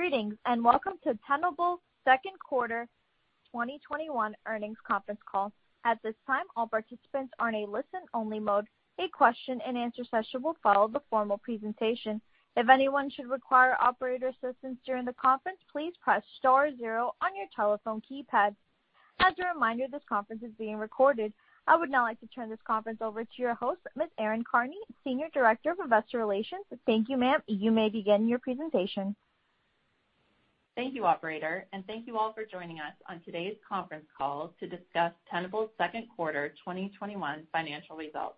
I would now like to turn this conference over to your host, Ms. Erin Karney, Senior Director, Investor Relations. Thank you, ma'am. You may begin your presentation. Thank you, operator. Thank you all for joining us on today's conference call to discuss Tenable's second quarter 2021 financial results.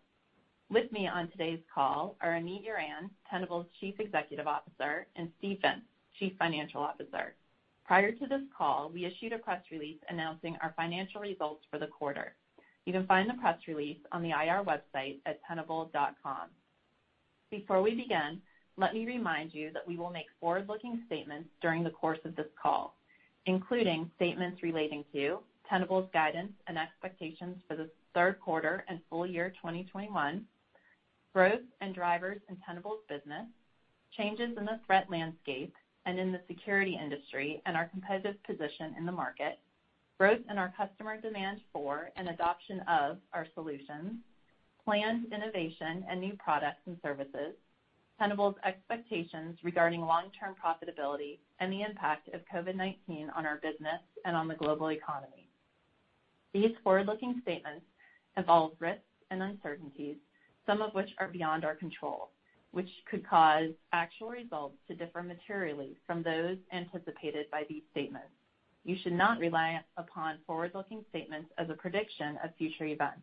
With me on today's call are Amit Yoran, Tenable's Chief Executive Officer, and Steve Vintz, Chief Financial Officer. Prior to this call, we issued a press release announcing our financial results for the quarter. You can find the press release on the IR website at tenable.com. Before we begin, let me remind you that we will make forward-looking statements during the course of this call, including statements relating to Tenable's guidance and expectations for the third quarter and full-year 2021, growth and drivers in Tenable's business, changes in the threat landscape and in the security industry, and our competitive position in the market, growth in our customer demand for and adoption of our solutions, planned innovation and new products and services, Tenable's expectations regarding long-term profitability, and the impact of COVID-19 on our business and on the global economy. These forward-looking statements involve risks and uncertainties, some of which are beyond our control, which could cause actual results to differ materially from those anticipated by these statements. You should not rely upon forward-looking statements as a prediction of future events.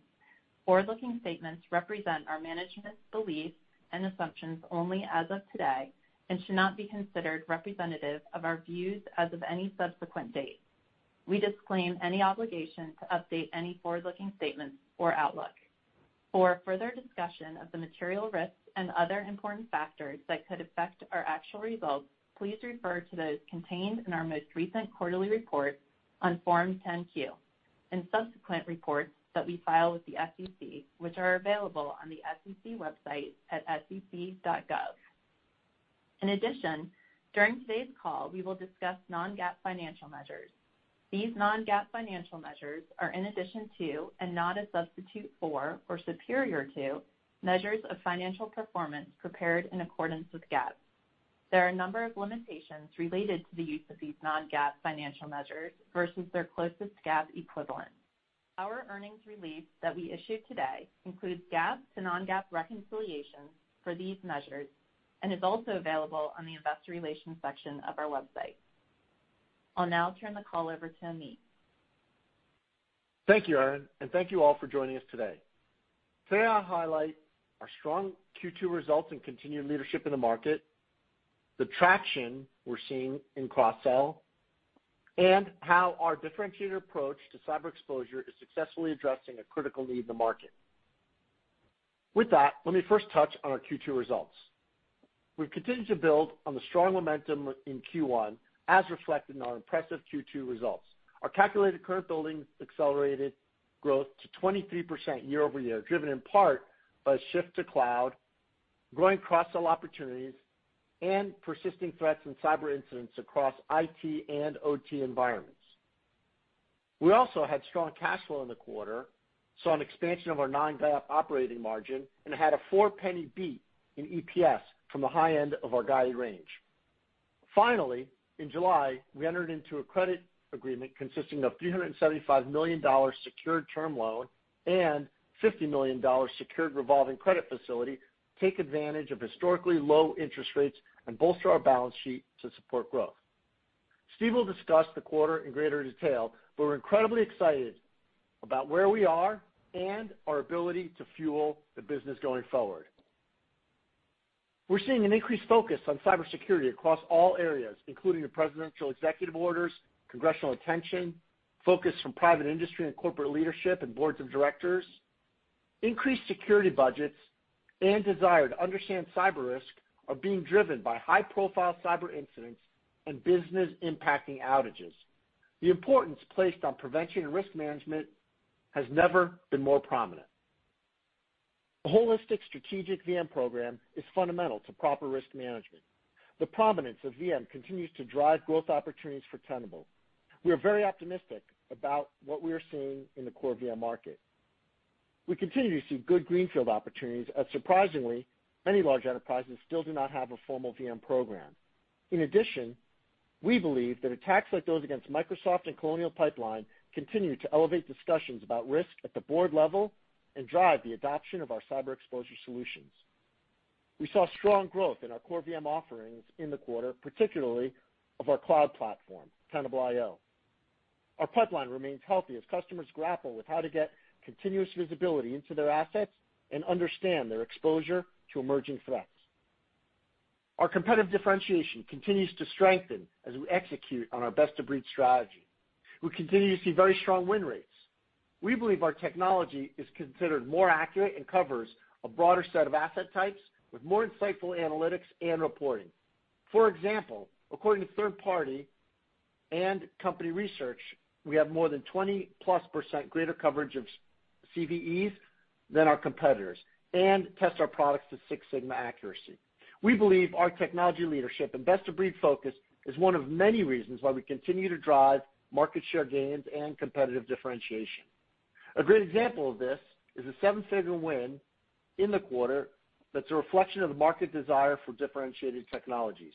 Forward-looking statements represent our management's beliefs and assumptions only as of today and should not be considered representative of our views as of any subsequent date. We disclaim any obligation to update any forward-looking statements or outlook. For a further discussion of the material risks and other important factors that could affect our actual results, please refer to those contained in our most recent quarterly report on Form 10-Q and subsequent reports that we file with the SEC, which are available on the SEC website at sec.gov. In addition, during today's call, we will discuss non-GAAP financial measures. These non-GAAP financial measures are in addition to and not a substitute for or superior to measures of financial performance prepared in accordance with GAAP. There are a number of limitations related to the use of these non-GAAP financial measures versus their closest GAAP equivalent. Our earnings release that we issued today includes GAAP to non-GAAP reconciliations for these measures and is also available on the investor relations section of our website. I'll now turn the call over to Amit. Thank you, Erin. Thank you all for joining us today. Today, I'll highlight our strong Q2 results and continued leadership in the market, the traction we're seeing in cross-sell, and how our differentiated approach to cyber exposure is successfully addressing a critical need in the market. With that, let me first touch on our Q2 results. We've continued to build on the strong momentum in Q1, as reflected in our impressive Q2 results. Our calculated current billings accelerated growth to 23% year-over-year, driven in part by a shift to cloud, growing cross-sell opportunities, and persisting threats and cyber incidents across IT and OT environments. We also had strong cash flow in the quarter, saw an expansion of our non-GAAP operating margin, and had a $0.04 beat in EPS from the high end of our guided range. In July, we entered into a credit agreement consisting of a $375 million secured term loan and $50 million secured revolving credit facility to take advantage of historically low interest rates and bolster our balance sheet to support growth. Steve will discuss the quarter in greater detail, but we're incredibly excited about where we are and our ability to fuel the business going forward. We're seeing an increased focus on cybersecurity across all areas, including the presidential executive orders, congressional attention, focus from private industry and corporate leadership and boards of directors. Increased security budgets and desire to understand cyber risk are being driven by high-profile cyber incidents and business-impacting outages. The importance placed on prevention and risk management has never been more prominent. A holistic strategic VM program is fundamental to proper risk management. The prominence of VM continues to drive growth opportunities for Tenable. We are very optimistic about what we are seeing in the core VM market. We continue to see good greenfield opportunities as surprisingly, many large enterprises still do not have a formal VM program. In addition, we believe that attacks like those against Microsoft and Colonial Pipeline continue to elevate discussions about risk at the board level and drive the adoption of our cyber exposure solutions. We saw strong growth in our core VM offerings in the quarter, particularly of our cloud platform, Tenable.io. Our pipeline remains healthy as customers grapple with how to get continuous visibility into their assets and understand their exposure to emerging threats. Our competitive differentiation continues to strengthen as we execute on our best-of-breed strategy. We continue to see very strong win rates. We believe our technology is considered more accurate and covers a broader set of asset types with more insightful analytics and reporting. For example, according to third-party and company research, we have more than 20+% greater coverage of CVEs than our competitors and test our products to Six Sigma accuracy. We believe our technology leadership and best-of-breed focus is one of many reasons why we continue to drive market share gains and competitive differentiation. A great example of this is a seven figure win in the quarter that's a reflection of the market desire for differentiated technologies.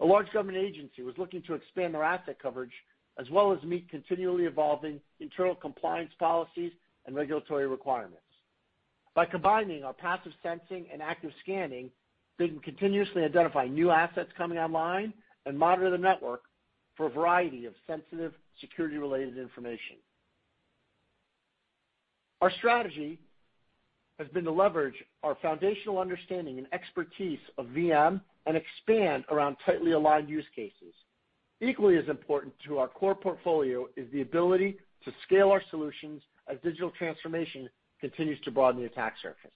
A large government agency was looking to expand their asset coverage as well as meet continually evolving internal compliance policies and regulatory requirements. By combining our passive sensing and active scanning, they can continuously identify new assets coming online and monitor the network for a variety of sensitive security-related information. Our strategy has been to leverage our foundational understanding and expertise of VM and expand around tightly aligned use cases. Equally as important to our core portfolio is the ability to scale our solutions as digital transformation continues to broaden the attack surface.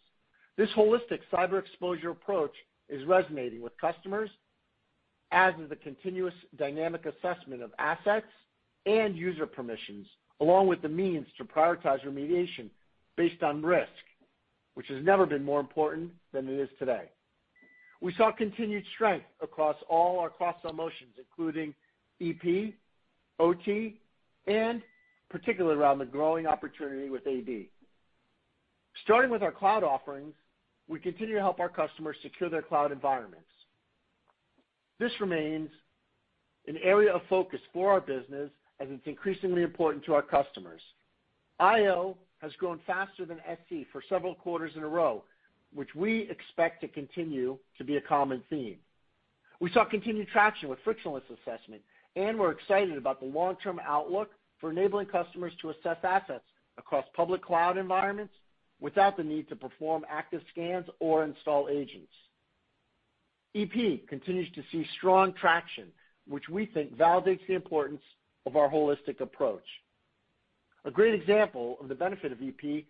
This holistic cyber exposure approach is resonating with customers, as is the continuous dynamic assessment of assets and user permissions, along with the means to prioritize remediation based on risk, which has never been more important than it is today. We saw continued strength across all our cross-sell motions, including EP, OT, and particularly around the growing opportunity with AD. Starting with our cloud offerings, we continue to help our customers secure their cloud environments. This remains an area of focus for our business as it's increasingly important to our customers. IO has grown faster than SC for several quarters in a row, which we expect to continue to be a common theme. We saw continued traction with frictionless assessment, and we're excited about the long-term outlook for enabling customers to assess assets across public cloud environments without the need to perform active scans or install agents. EP continues to see strong traction, which we think validates the importance of our holistic approach. A great example of the benefit of EP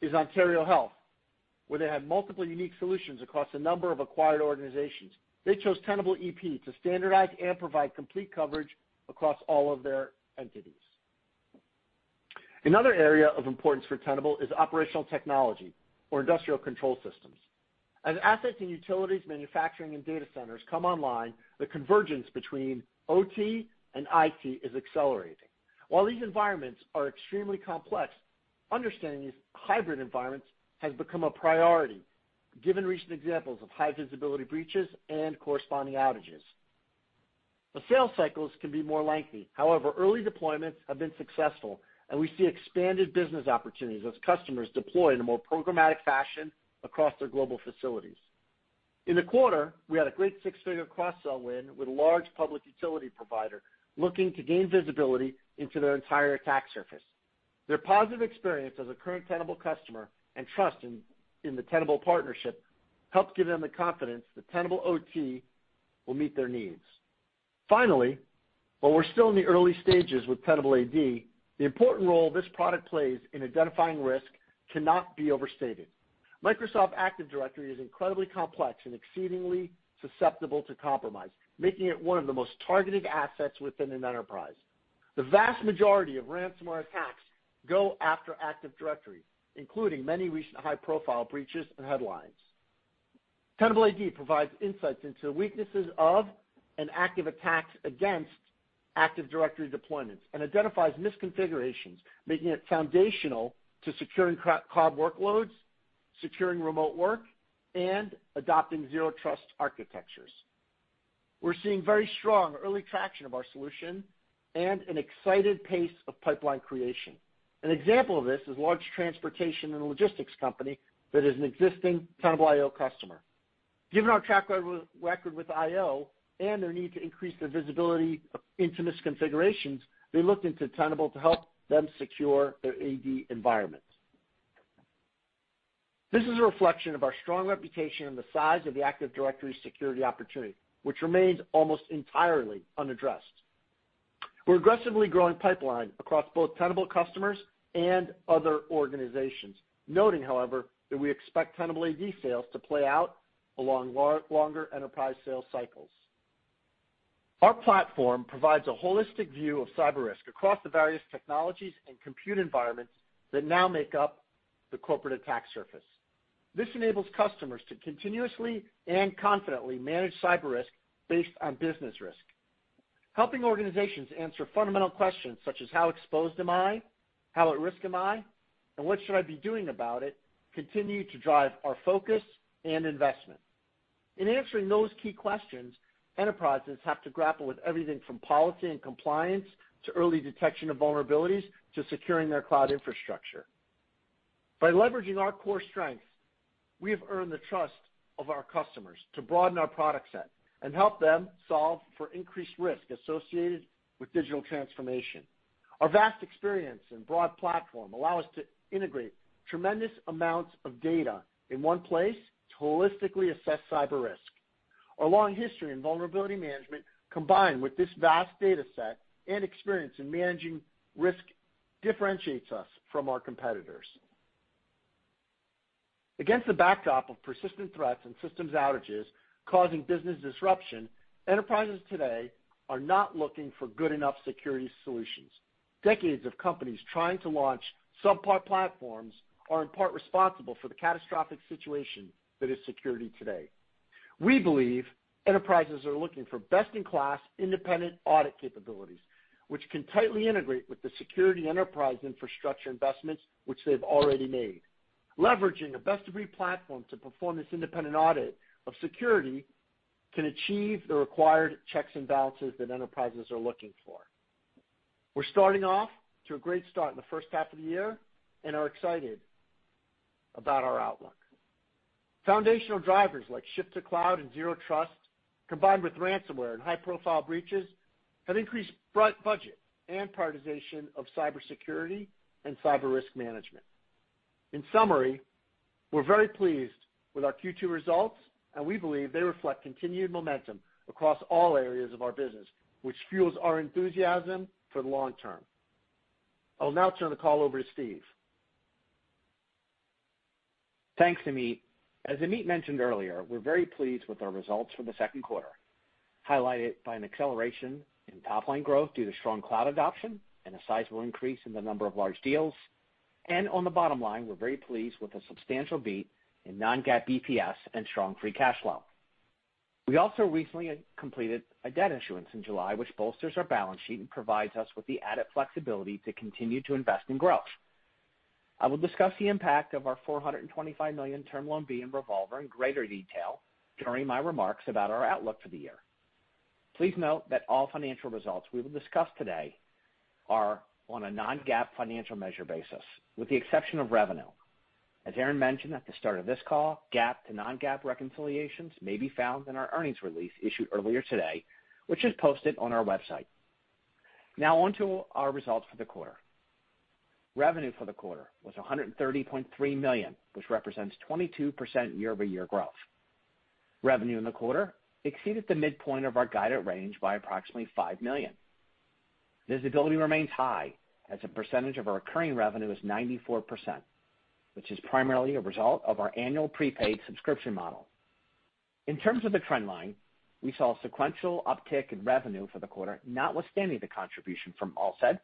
is Ontario Health, where they had multiple unique solutions across a number of acquired organizations. They chose Tenable.ep to standardize and provide complete coverage across all of their entities. Another area of importance for Tenable is operational technology or industrial control systems. As assets in utilities, manufacturing, and data centers come online, the convergence between OT and IT is accelerating. While these environments are extremely complex, understanding these hybrid environments has become a priority given recent examples of high-visibility breaches and corresponding outages. The sales cycles can be more lengthy. However, early deployments have been successful, and we see expanded business opportunities as customers deploy in a more programmatic fashion across their global facilities. In the quarter, we had a great six-figure cross-sell win with a large public utility provider looking to gain visibility into their entire attack surface. Their positive experience as a current Tenable customer and trust in the Tenable partnership helped give them the confidence that Tenable.ot will meet their needs. Finally, while we're still in the early stages with Tenable.ad, the important role this product plays in identifying risk cannot be overstated. Microsoft Active Directory is incredibly complex and exceedingly susceptible to compromise, making it one of the most targeted assets within an enterprise. The vast majority of ransomware attacks go after Active Directory, including many recent high-profile breaches and headlines. Tenable.ad Provides insights into weaknesses of and active attacks against Active Directory deployments and identifies misconfigurations, making it foundational to securing cloud workloads, securing remote work, and adopting Zero Trust architectures. We're seeing very strong early traction of our solution and an excited pace of pipeline creation. An example of this is a large transportation and logistics company that is an existing Tenable.io customer. Given our track record with .io and their need to increase their visibility into misconfigurations, they looked into Tenable to help them secure their AD environments. This is a reflection of our strong reputation and the size of the Active Directory security opportunity, which remains almost entirely unaddressed. We're aggressively growing pipeline across both Tenable customers and other organizations, noting, however, that we expect Tenable AD sales to play out along longer enterprise sales cycles. Our platform provides a holistic view of cyber risk across the various technologies and compute environments that now make up the corporate attack surface. This enables customers to continuously and confidently manage cyber risk based on business risk. Helping organizations answer fundamental questions such as how exposed am I, how at risk am I, and what should I be doing about it continue to drive our focus and investment. In answering those key questions, enterprises have to grapple with everything from policy and compliance to early detection of vulnerabilities to securing their cloud infrastructure. By leveraging our core strengths, we have earned the trust of our customers to broaden our product set and help them solve for increased risk associated with digital transformation. Our vast experience and broad platform allow us to integrate tremendous amounts of data in one place to holistically assess cyber risk. Our long history in vulnerability management, combined with this vast data set and experience in managing risk, differentiates us from our competitors. Against the backdrop of persistent threats and systems outages causing business disruption, enterprises today are not looking for good enough security solutions. Decades of companies trying to launch subpar platforms are in part responsible for the catastrophic situation that is security today. We believe enterprises are looking for best-in-class independent audit capabilities, which can tightly integrate with the security enterprise infrastructure investments which they've already made. Leveraging a best-of-breed platform to perform this independent audit of security can achieve the required checks and balances that enterprises are looking for. We're starting off to a great start in the first half of the year and are excited about our outlook. Foundational drivers like shift to cloud and Zero Trust, combined with ransomware and high-profile breaches, have increased budget and prioritization of cybersecurity and cyber risk management. In summary, we're very pleased with our Q2 results, and we believe they reflect continued momentum across all areas of our business, which fuels our enthusiasm for the long-term. I'll now turn the call over to Steve. Thanks, Amit. As Amit mentioned earlier, we're very pleased with our results for the second quarter, highlighted by an acceleration in top-line growth due to strong cloud adoption and a sizable increase in the number of large deals. On the bottom line, we're very pleased with a substantial beat in non-GAAP EPS and strong free cash flow. We also recently completed a debt issuance in July, which bolsters our balance sheet and provides us with the added flexibility to continue to invest in growth. I will discuss the impact of our $425 million Term Loan B and revolver in greater detail during my remarks about our outlook for the year. Please note that all financial results we will discuss today are on a non-GAAP financial measure basis, with the exception of revenue. As Erin Karney mentioned at the start of this call, GAAP to non-GAAP reconciliations may be found in our earnings release issued earlier today, which is posted on our website. Now on to our results for the quarter. Revenue for the quarter was $130.3 million, which represents 22% year-over-year growth. Revenue in the quarter exceeded the midpoint of our guided range by approximately $5 million. Visibility remains high as a percentage of our recurring revenue is 94%, which is primarily a result of our annual prepaid subscription model. In terms of the trend line, we saw sequential uptick in revenue for the quarter, notwithstanding the contribution from Alsid,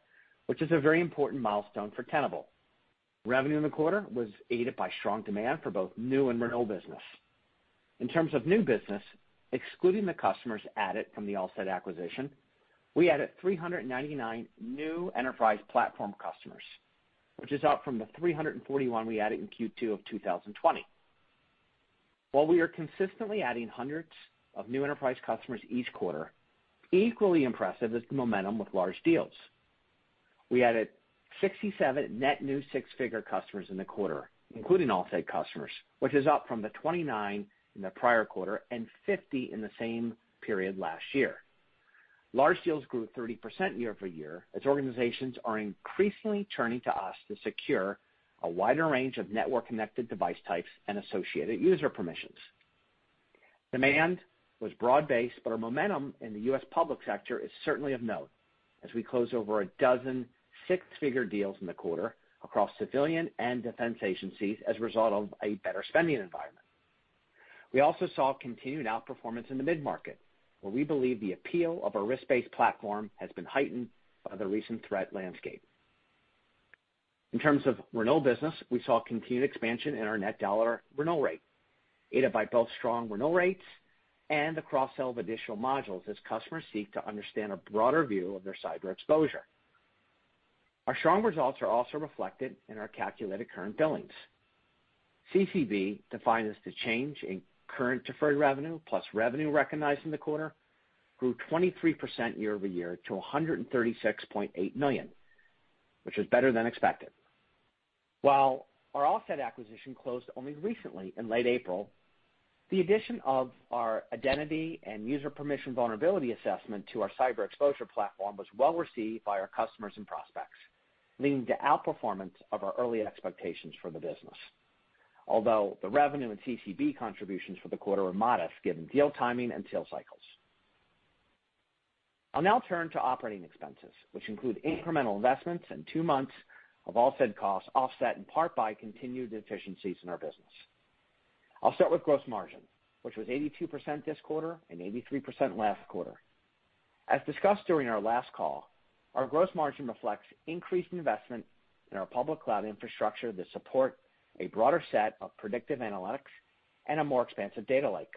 which is a very important milestone for Tenable. Revenue in the quarter was aided by strong demand for both new and renewal business. In terms of new business, excluding the customers added from the Alsid acquisition, we added 399 new enterprise platform customers, which is up from the 341 we added in Q2 of 2020. While we are consistently adding hundreds of new enterprise customers each quarter, equally impressive is the momentum with large deals. We added 67 net new six-figure customers in the quarter, including Alsid customers, which is up from the 29 in the prior quarter and 50 in the same period last year. Large deals grew 30% year-over-year as organizations are increasingly turning to us to secure a wider range of network-connected device types and associated user permissions. Demand was broad-based. Our momentum in the U.S. public sector is certainly of note as we close over a dozen six-figure deals in the quarter across civilian and defense agencies as a result of a better spending environment. We also saw continued outperformance in the mid-market, where we believe the appeal of a risk-based platform has been heightened by the recent threat landscape. In terms of renewal business, we saw continued expansion in our net dollar renewal rate, aided by both strong renewal rates and the cross-sell of additional modules as customers seek to understand a broader view of their cyber exposure. Our strong results are also reflected in our calculated current billings. CCB, defined as the change in current deferred revenue plus revenue recognized in the quarter, grew 23% year-over-year to $136.8 million, which was better than expected. While our Alsid acquisition closed only recently in late April, the addition of our identity and user permission vulnerability assessment to our cyber exposure platform was well received by our customers and prospects, leading to outperformance of our early expectations for the business. Although the revenue and CCB contributions for the quarter are modest given deal timing and sales cycles. I'll now turn to operating expenses, which include incremental investments and two months of Alsid costs offset in part by continued efficiencies in our business. I'll start with gross margin, which was 82% this quarter and 83% last quarter. As discussed during our last call, our gross margin reflects increased investment in our public cloud infrastructure to support a broader set of predictive analytics and a more expansive data lake.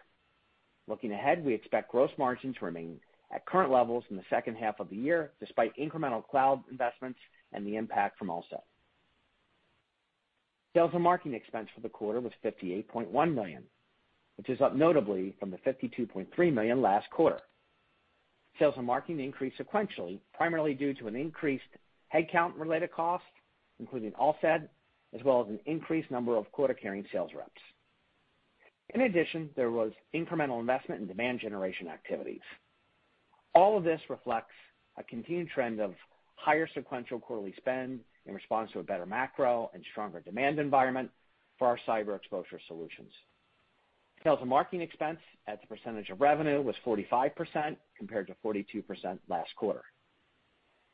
Looking ahead, we expect gross margins remaining at current levels in the second half of the year, despite incremental cloud investments and the impact from Alsid. Sales and marketing expense for the quarter was $58.1 million, which is up notably from the $52.3 million last quarter. Sales and marketing increased sequentially, primarily due to an increased headcount-related cost, including Alsid, as well as an increased number of quota-carrying sales reps. In addition, there was incremental investment in demand generation activities. All of this reflects a continued trend of higher sequential quarterly spend in response to a better macro and stronger demand environment for our cyber exposure solutions. Sales and marketing expense as a percentage of revenue was 45% compared to 42% last quarter.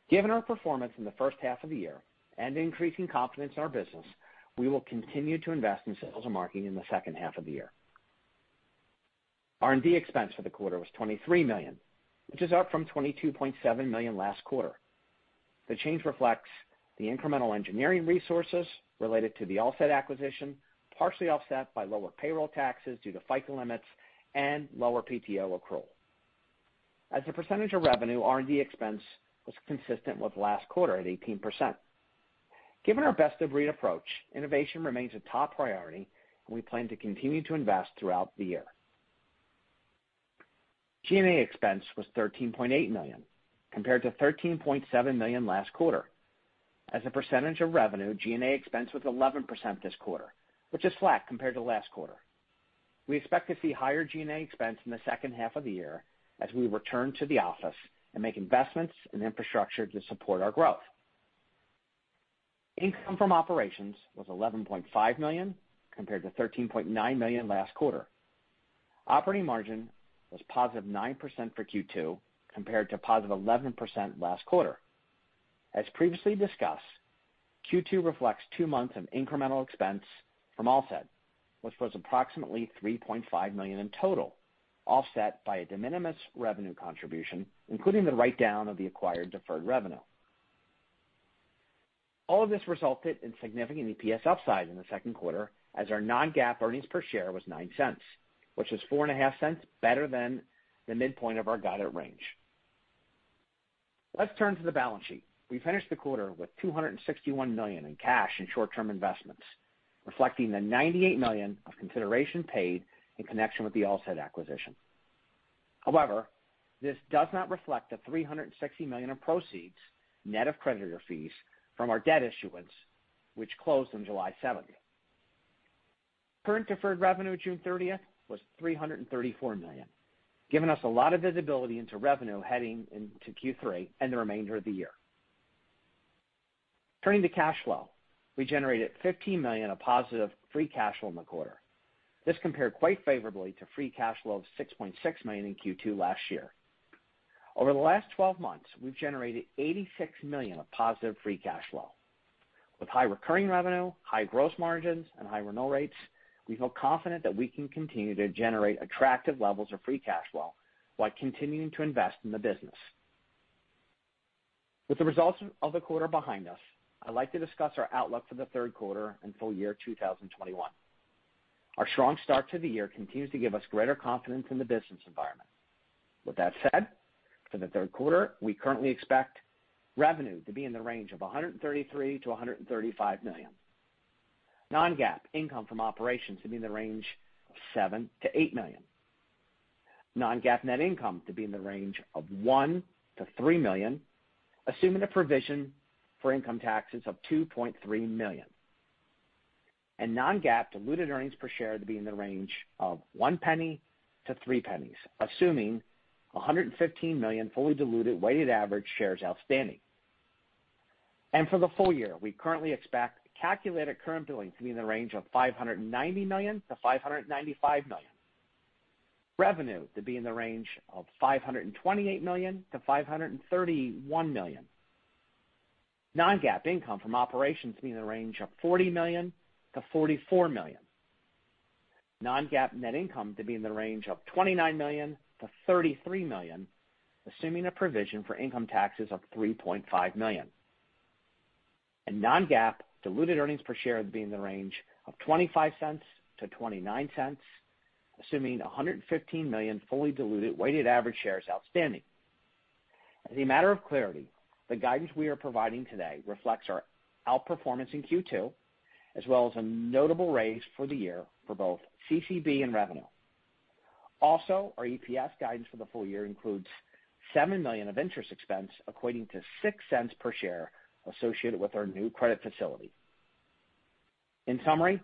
Given our performance in the first half of the year and increasing confidence in our business, we will continue to invest in sales and marketing in the second half of the year. R&D expense for the quarter was $23 million, which is up from $22.7 million last quarter. The change reflects the incremental engineering resources related to the Alsid acquisition, partially offset by lower payroll taxes due to FICA limits and lower PTO accrual. As a percentage of revenue, R&D expense was consistent with last quarter at 18%. Given our best-of-breed approach, innovation remains a top priority, and we plan to continue to invest throughout the year. G&A expense was $13.8 million, compared to $13.7 million last quarter. As a percentage of revenue, G&A expense was 11% this quarter, which is flat compared to last quarter. We expect to see higher G&A expense in the second half of the year as we return to the office and make investments in infrastructure to support our growth. Income from operations was $11.5 million, compared to $13.9 million last quarter. Operating margin was +9% for Q2, compared to +11% last quarter. As previously discussed, Q2 reflects two months of incremental expense from Alsid, which was approximately $3.5 million in total, offset by a de minimis revenue contribution, including the write-down of the acquired deferred revenue. All of this resulted in significant EPS upside in the second quarter, as our non-GAAP earnings per share was $0.09, which is $0.045 better than the midpoint of our guided range. Let's turn to the balance sheet. We finished the quarter with $261 million in cash and short-term investments, reflecting the $98 million of consideration paid in connection with the Alsid acquisition. However, this does not reflect the $360 million of proceeds, net of creditor fees, from our debt issuance, which closed on July 7th. Current deferred revenue at June 30th was $334 million, giving us a lot of visibility into revenue heading into Q3 and the remainder of the year. Turning to cash flow, we generated $15 million of positive free cash flow in the quarter. This compared quite favorably to free cash flow of $6.6 million in Q2 last year. Over the last 12 months, we've generated $86 million of positive free cash flow. With high recurring revenue, high gross margins, and high renewal rates, we feel confident that we can continue to generate attractive levels of free cash flow while continuing to invest in the business. With the results of the quarter behind us, I'd like to discuss our outlook for the third quarter and full-year 2021. Our strong start to the year continues to give us greater confidence in the business environment. With that said, for the third quarter, we currently expect revenue to be in the range of $133 million-$135 million, non-GAAP income from operations to be in the range of $7 million-$8 million, non-GAAP net income to be in the range of $1 million-$3 million, assuming a provision for income taxes of $2.3 million, and non-GAAP diluted earnings per share to be in the range of $0.01-$0.03, assuming 115 million fully diluted weighted average shares outstanding. For the full-year, we currently expect calculated current billings to be in the range of $590 million-$595 million, revenue to be in the range of $528 million-$531 million, non-GAAP income from operations to be in the range of $40 million-$44 million, non-GAAP net income to be in the range of $29 million-$33 million, assuming a provision for income taxes of $3.5 million, and non-GAAP diluted earnings per share to be in the range of $0.25-$0.29, assuming 115 million fully diluted weighted average shares outstanding. As a matter of clarity, the guidance we are providing today reflects our outperformance in Q2, as well as a notable raise for the year for both CCB and revenue. Also, our EPS guidance for the full-year includes $7 million of interest expense equating to $0.06 per share associated with our new credit facility. In summary,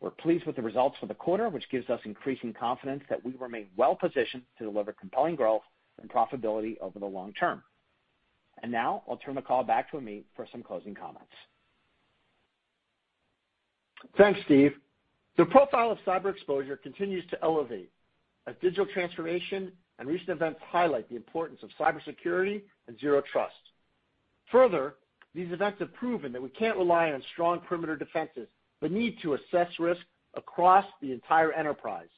we're pleased with the results for the quarter, which gives us increasing confidence that we remain well positioned to deliver compelling growth and profitability over the long-term. Now I'll turn the call back to Amit for some closing comments. Thanks, Steve. The profile of cyber exposure continues to elevate as digital transformation and recent events highlight the importance of cybersecurity and Zero Trust. Further, these events have proven that we can't rely on strong perimeter defenses, but need to assess risk across the entire enterprise.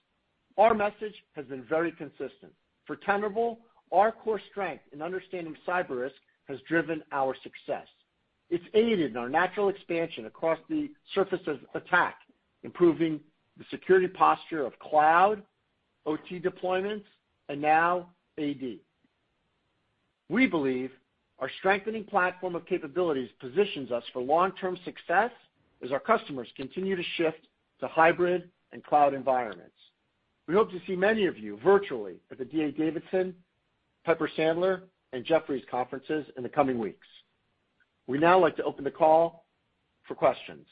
Our message has been very consistent. For Tenable, our core strength in understanding cyber risk has driven our success. It's aided in our natural expansion across the surface of attack, improving the security posture of cloud, OT deployments, and now AD. We believe our strengthening platform of capabilities positions us for long-term success as our customers continue to shift to hybrid and cloud environments. We hope to see many of you virtually at the D.A. Davidson, Piper Sandler, and Jefferies conferences in the coming weeks. We'd now like to open the call for questions.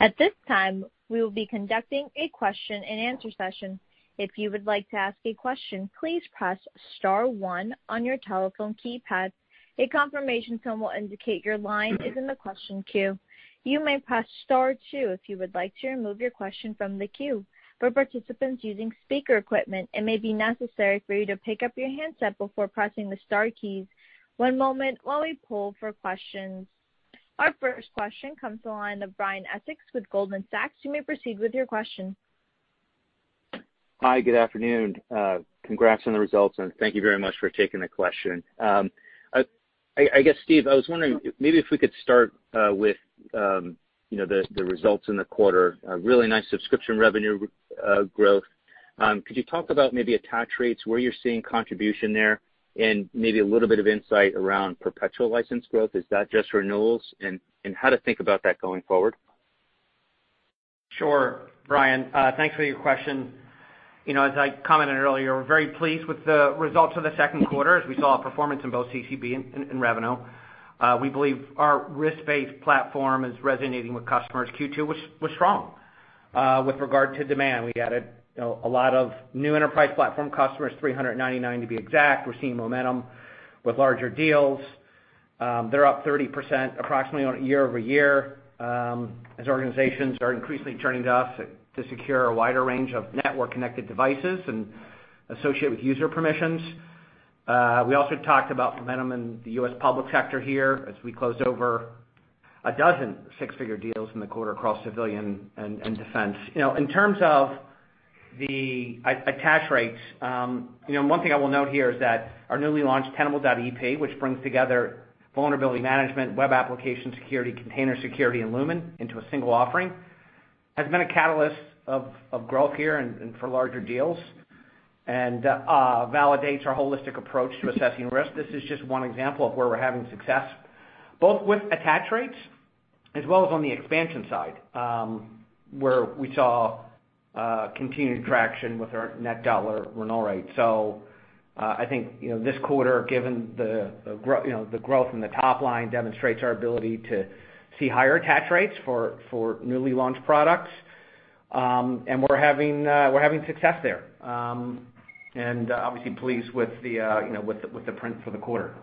At this time, we will be conducting a question-and-answer session. If you would like to ask a question, please press star one on your telephone keypad. A confirmation tone will indicate your line is in the question queue. You may press star two if you would like to remove your question from the queue. For participants using speaker equipment, it may be necessary for you to pick up your handset before pressing the star keys. One moment while we poll for questions Our first question comes to the line of Brian Essex with Goldman Sachs. You may proceed with your question. Hi, good afternoon. Congrats on the results, and thank you very much for taking the question. I guess, Steve, I was wondering maybe if we could start with the results in the quarter. A really nice subscription revenue growth. Could you talk about maybe attach rates, where you're seeing contribution there, and maybe a little bit of insight around perpetual license growth? Is that just renewals? How to think about that going forward. Sure. Brian, thanks for your question. As I commented earlier, we're very pleased with the results of the second quarter as we saw performance in both CCB and revenue. We believe our risk-based platform is resonating with customers. Q2 was strong with regard to demand. We added a lot of new enterprise platform customers, 399 to be exact. We're seeing momentum with larger deals. They're up 30% approximately year-over-year, as organizations are increasingly turning to us to secure a wider range of network-connected devices and associate with user permissions. We also talked about momentum in the U.S. public sector here as we closed over a dozen six-figure deals in the quarter across civilian and defense. In terms of the attach rates, one thing I will note here is that our newly launched Tenable.ep, which brings together vulnerability management, web application security, container security, and Lumin into a single offering, has been a catalyst of growth here and for larger deals and validates our holistic approach to assessing risk. This is just one example of where we're having success, both with attach rates as well as on the expansion side, where we saw continued traction with our net dollar renewal rate. I think, this quarter, given the growth in the top line, demonstrates our ability to see higher attach rates for newly launched products. We're having success there. Obviously pleased with the prints for the quarter.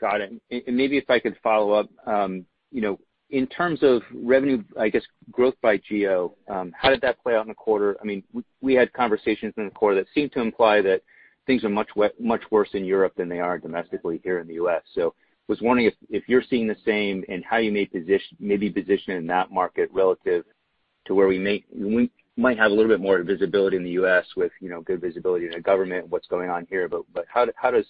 Got it. Maybe if I could follow up. In terms of revenue, I guess, growth by geo, how did that play out in the quarter? We had conversations in the quarter that seemed to imply that things are much worse in Europe than they are domestically here in the U.S. I was wondering if you're seeing the same and how you may be positioned in that market relative to where we might have a little bit more visibility in the U.S. with good visibility into government, what's going on here, but how do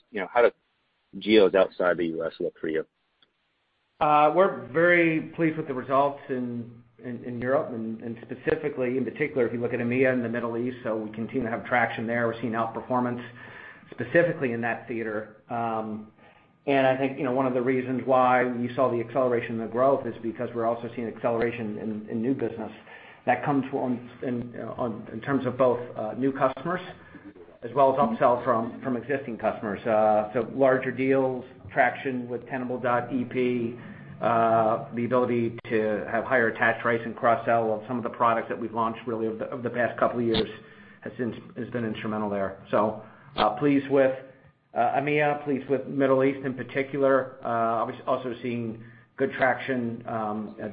geos outside the U.S. look for you? We're very pleased with the results in Europe and specifically, in particular, if you look at EMEA and the Middle East. We continue to have traction there. We're seeing outperformance specifically in that theater. I think, one of the reasons why we saw the acceleration in the growth is because we're also seeing acceleration in new business that comes in terms of both new customers as well as upsell from existing customers. Larger deals, traction with Tenable.ep, the ability to have higher attach rates and cross-sell of some of the products that we've launched really over the past couple of years has been instrumental there. Pleased with EMEA, pleased with Middle East in particular. Obviously also seeing good traction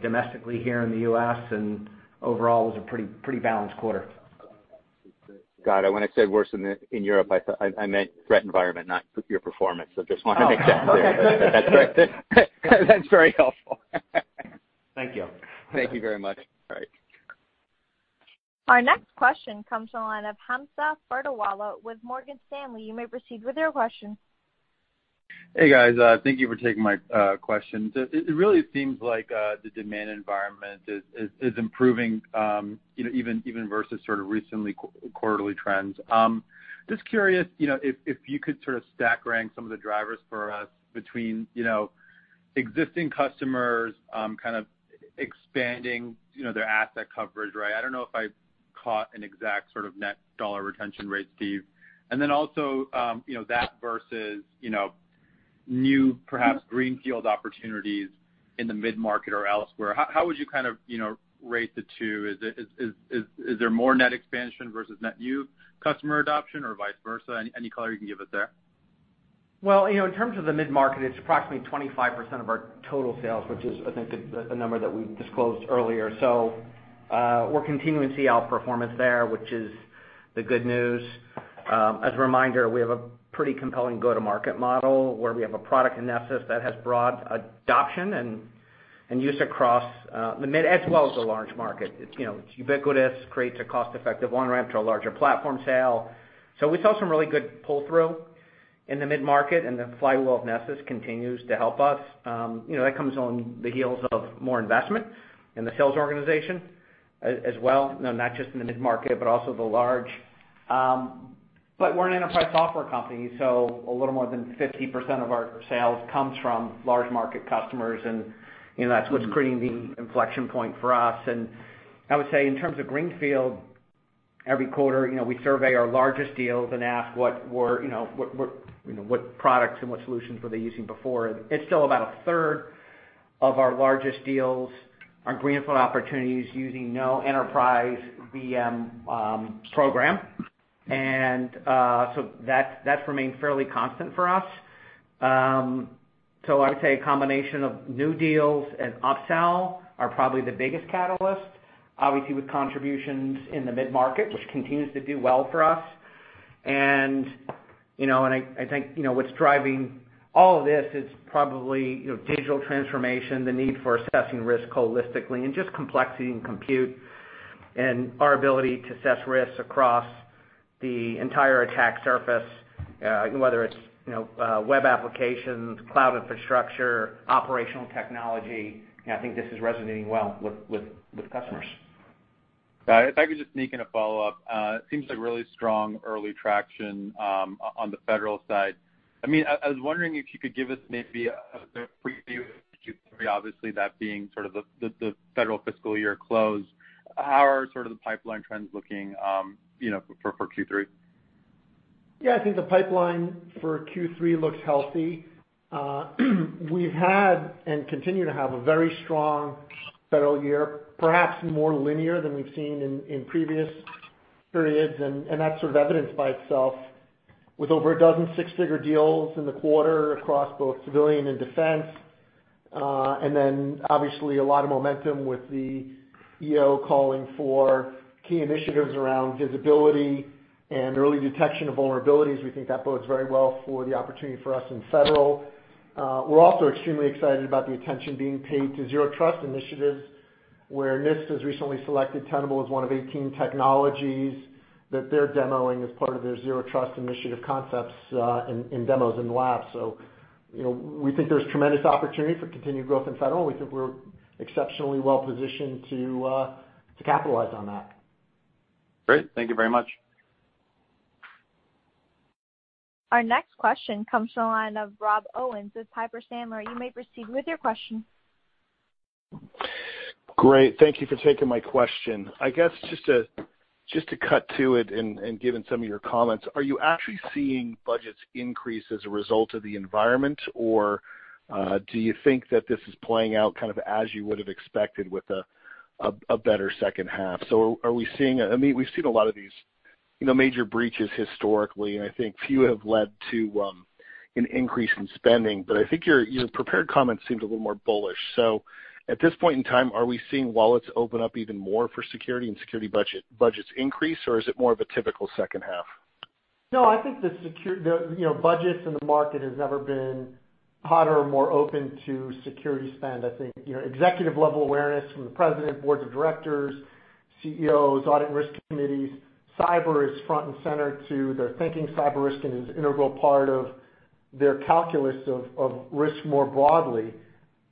domestically here in the U.S. and overall it was a pretty balanced quarter. Got it. When I said worse in Europe, I meant threat environment, not your performance. Just wanted to make that clear. Oh, okay. That's very helpful. Thank you. Thank you very much. All right. Our next question comes on the line of Hamza Fodderwala with Morgan Stanley. You may proceed with your question. Hey, guys. Thank you for taking my question. It really seems like the demand environment is improving, even versus sort of recently quarterly trends. Just curious, if you could sort of stack rank some of the drivers for us between existing customers kind of expanding their asset coverage, right? I don't know if I caught an exact sort of net dollar retention rate, Steve. Also, that versus new, perhaps greenfield opportunities in the mid-market or elsewhere. How would you rate the two? Is there more net expansion versus net new customer adoption or vice versa? Any color you can give us there? Well, in terms of the mid-market, it's approximately 25% of our total sales, which is, I think the number that we disclosed earlier. We're continuing to see outperformance there, which is the good news. As a reminder, we have a pretty compelling go-to-market model where we have a product in Nessus that has broad adoption and use across the mid as well as the large market. It's ubiquitous, creates a cost-effective on-ramp to a larger platform sale. We saw some really good pull-through in the mid-market, and the flywheel of Nessus continues to help us. That comes on the heels of more investment in the sales organization as well, not just in the mid-market, but also the large. We're an enterprise software company, a little more than 50% of our sales comes from large market customers, and that's what's creating the inflection point for us. I would say in terms of greenfield, every quarter we survey our largest deals and ask what products and what solutions were they using before. It's still about a third of our largest deals are greenfield opportunities using no enterprise VM program. That remains fairly constant for us. I would say a combination of new deals and upsell are probably the biggest catalyst, obviously with contributions in the mid-market, which continues to do well for us. I think what's driving all of this is probably digital transformation, the need for assessing risk holistically, and just complexity and compute and our ability to assess risks across the entire attack surface, whether it's web applications, cloud infrastructure, operational technology. I think this is resonating well with customers. Got it. If I could just sneak in a follow-up. It seems a really strong early traction on the federal side. I was wondering if you could give us maybe a preview of Q3, obviously, that being sort of the federal fiscal year close. How are sort of the pipeline trends looking for Q3? I think the pipeline for Q3 looks healthy. We've had, and continue to have, a very strong federal year, perhaps more linear than we've seen in previous periods, and that's sort of evidenced by itself with over a dozen 6-figure deals in the quarter across both civilian and defense. Obviously a lot of momentum with the EO calling for key initiatives around visibility and early detection of vulnerabilities. We think that bodes very well for the opportunity for us in federal. We're also extremely excited about the attention being paid to Zero Trust initiatives, where NIST has recently selected Tenable as one of 18 technologies that they're demoing as part of their Zero Trust initiative concepts in demos in the lab. We think there's tremendous opportunity for continued growth in federal. We think we're exceptionally well-positioned to capitalize on that. Great. Thank you very much. Our next question comes from the line of Rob Owens with Piper Sandler. You may proceed with your question. Great. Thank you for taking my question. I guess just to cut to it and given some of your comments, are you actually seeing budgets increase as a result of the environment, or do you think that this is playing out kind of as you would've expected with a better second half? We've seen a lot of these major breaches historically, and I think few have led to an increase in spending, but I think your prepared comments seemed a little more bullish. At this point in time, are we seeing wallets open up even more for security and security budgets increase, or is it more of a typical second half? I think the budgets in the market has never been hotter or more open to security spend. I think executive-level awareness from the president, boards of directors, CEOs, audit risk committees, cyber is front and center to their thinking. Cyber risk is an integral part of their calculus of risk more broadly.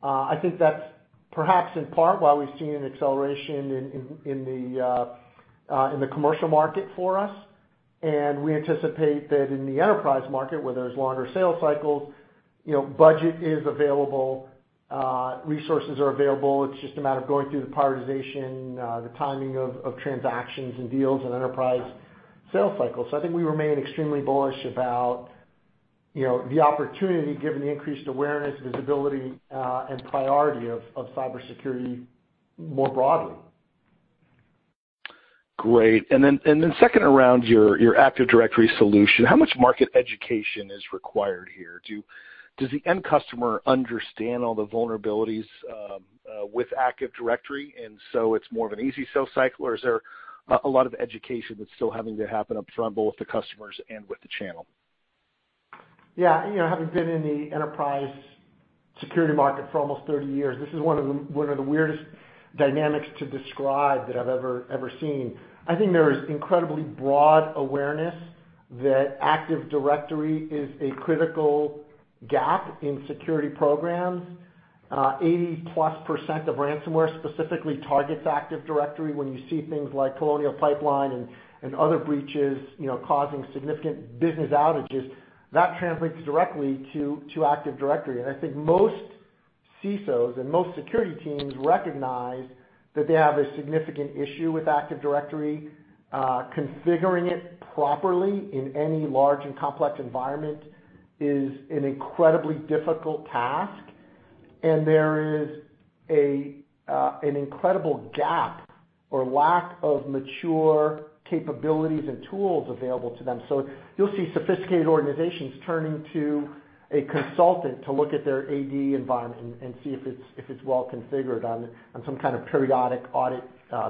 I think that's perhaps in part why we've seen an acceleration in the commercial market for us, and we anticipate that in the enterprise market, where there's longer sales cycles, budget is available, resources are available. It's just a matter of going through the prioritization, the timing of transactions and deals and enterprise sales cycles. I think we remain extremely bullish about the opportunity given the increased awareness, visibility, and priority of cybersecurity more broadly. Great. Second, around your Active Directory solution, how much market education is required here? Does the end customer understand all the vulnerabilities with Active Directory, and so it's more of an easy sales cycle, or is there a lot of education that's still having to happen up front, both with the customers and with the channel? Yeah. Having been in the enterprise security market for almost 30 years, this is one of the weirdest dynamics to describe that I've ever seen. I think there is incredibly broad awareness that Active Directory is a critical gap in security programs. 80+% of ransomware specifically targets Active Directory. When you see things like Colonial Pipeline and other breaches causing significant business outages, that translates directly to Active Directory. I think most CISOs and most security teams recognize that they have a significant issue with Active Directory. Configuring it properly in any large and complex environment is an incredibly difficult task, and there is an incredible gap or lack of mature capabilities and tools available to them. You'll see sophisticated organizations turning to a consultant to look at their AD environment and see if it's well-configured on some kind of periodic audit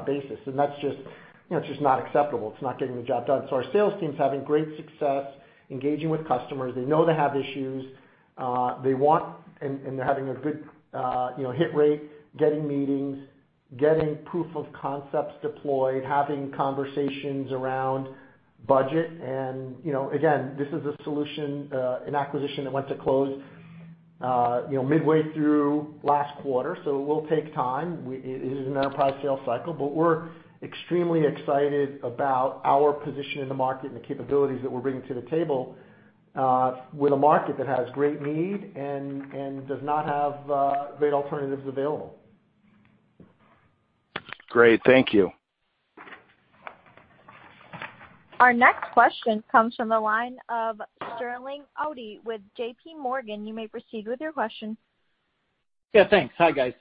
basis. That's just not acceptable. It's not getting the job done. Our sales team's having great success engaging with customers. They know they have issues. They want, and they're having a good hit rate, getting meetings, getting proof of concepts deployed, having conversations around budget, and again, this is a solution, an acquisition that went to close midway through last quarter, so it will take time. It is an enterprise sales cycle. We're extremely excited about our position in the market and the capabilities that we're bringing to the table with a market that has great need and does not have great alternatives available. Great. Thank you. Our next question comes from the line of Sterling Auty with JPMorgan. You may proceed with your question. Yeah, thanks. Hi, guys.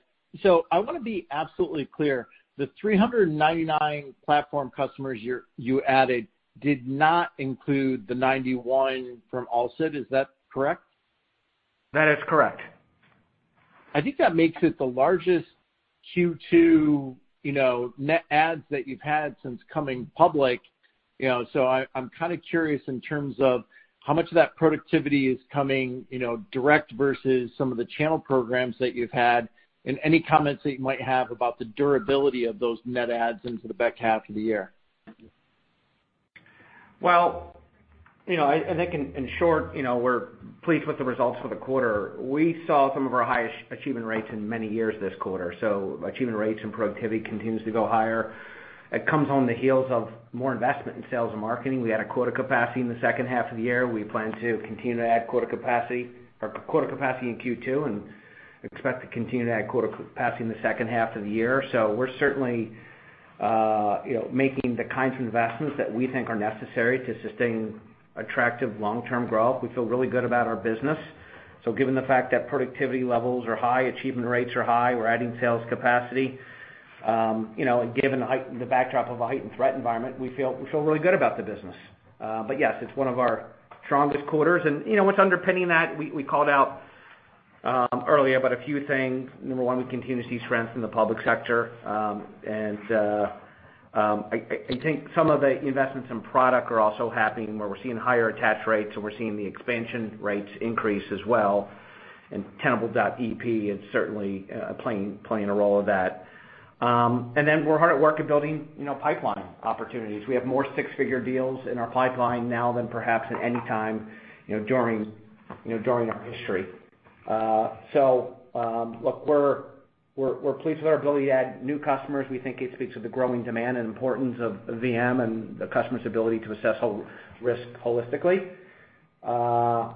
I want to be absolutely clear. The 399 platform customers you added did not include the 91 from Alsid. Is that correct? That is correct. I think that makes it the largest Q2 net adds that you've had since coming public. I'm curious in terms of how much of that productivity is coming direct versus some of the channel programs that you've had, and any comments that you might have about the durability of those net adds into the back half of the year. Well, I think in short, we're pleased with the results for the quarter. We saw some of our highest achievement rates in many years this quarter. Achievement rates and productivity continues to go higher. It comes on the heels of more investment in sales and marketing. We had a quota capacity in the second half of the year. We plan to continue to add quota capacity in Q2, and expect to continue to add quota capacity in the second half of the year. We're certainly making the kinds of investments that we think are necessary to sustain attractive long-term growth. We feel really good about our business. Given the fact that productivity levels are high, achievement rates are high, we're adding sales capacity. Given the backdrop of a heightened threat environment, we feel really good about the business. Yes, it's one of our strongest quarters. What's underpinning that, we called out earlier, but a few things. Number one, we continue to see strength in the public sector. I think some of the investments in product are also happening where we're seeing higher attach rates, and we're seeing the expansion rates increase as well. Tenable.ep is certainly playing a role in that. Then we're hard at work at building pipeline opportunities. We have more six figures deals in our pipeline now than perhaps at any time during our history. Look, we're pleased with our ability to add new customers. We think it speaks to the growing demand and importance of VM and the customer's ability to assess risk holistically. We're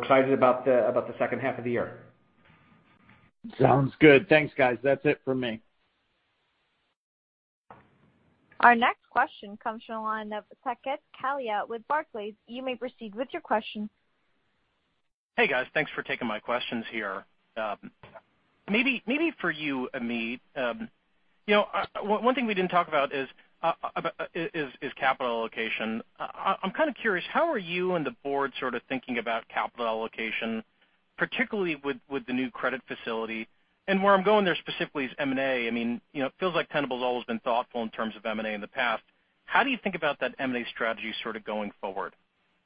excited about the second half of the year. Sounds good. Thanks, guys. That's it for me. Our next question comes from the line of Saket Kalia with Barclays. You may proceed with your question. Hey, guys. Thanks for taking my questions here. Maybe for you, Amit. One thing we didn't talk about is capital allocation. I'm kind of curious, how are you and the board sort of thinking about capital allocation, particularly with the new credit facility? Where I'm going there specifically is M&A. It feels like Tenable's always been thoughtful in terms of M&A in the past. How do you think about that M&A strategy sort of going forward?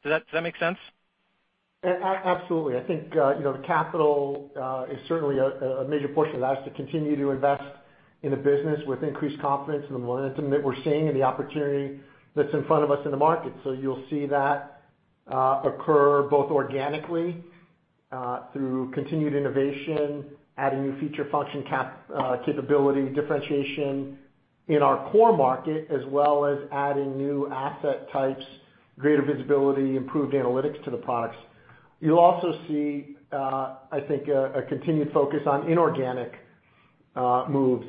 Does that make sense? Absolutely. I think the capital is certainly a major portion of that, is to continue to invest in the business with increased confidence in the momentum that we're seeing and the opportunity that's in front of us in the market. You'll see that occur both organically through continued innovation, adding new feature function capability, differentiation in our core market, as well as adding new asset types, greater visibility, improved analytics to the products. You'll also see, I think, a continued focus on inorganic moves.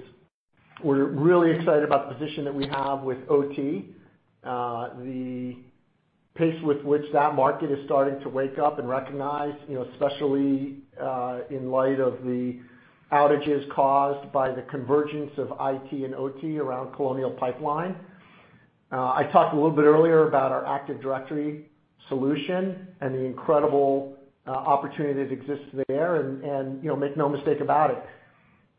We're really excited about the position that we have with OT. The pace with which that market is starting to wake up and recognize, especially in light of the outages caused by the convergence of IT and OT around Colonial Pipeline. I talked a little bit earlier about our Active Directory solution and the incredible opportunities that exist there. Make no mistake about it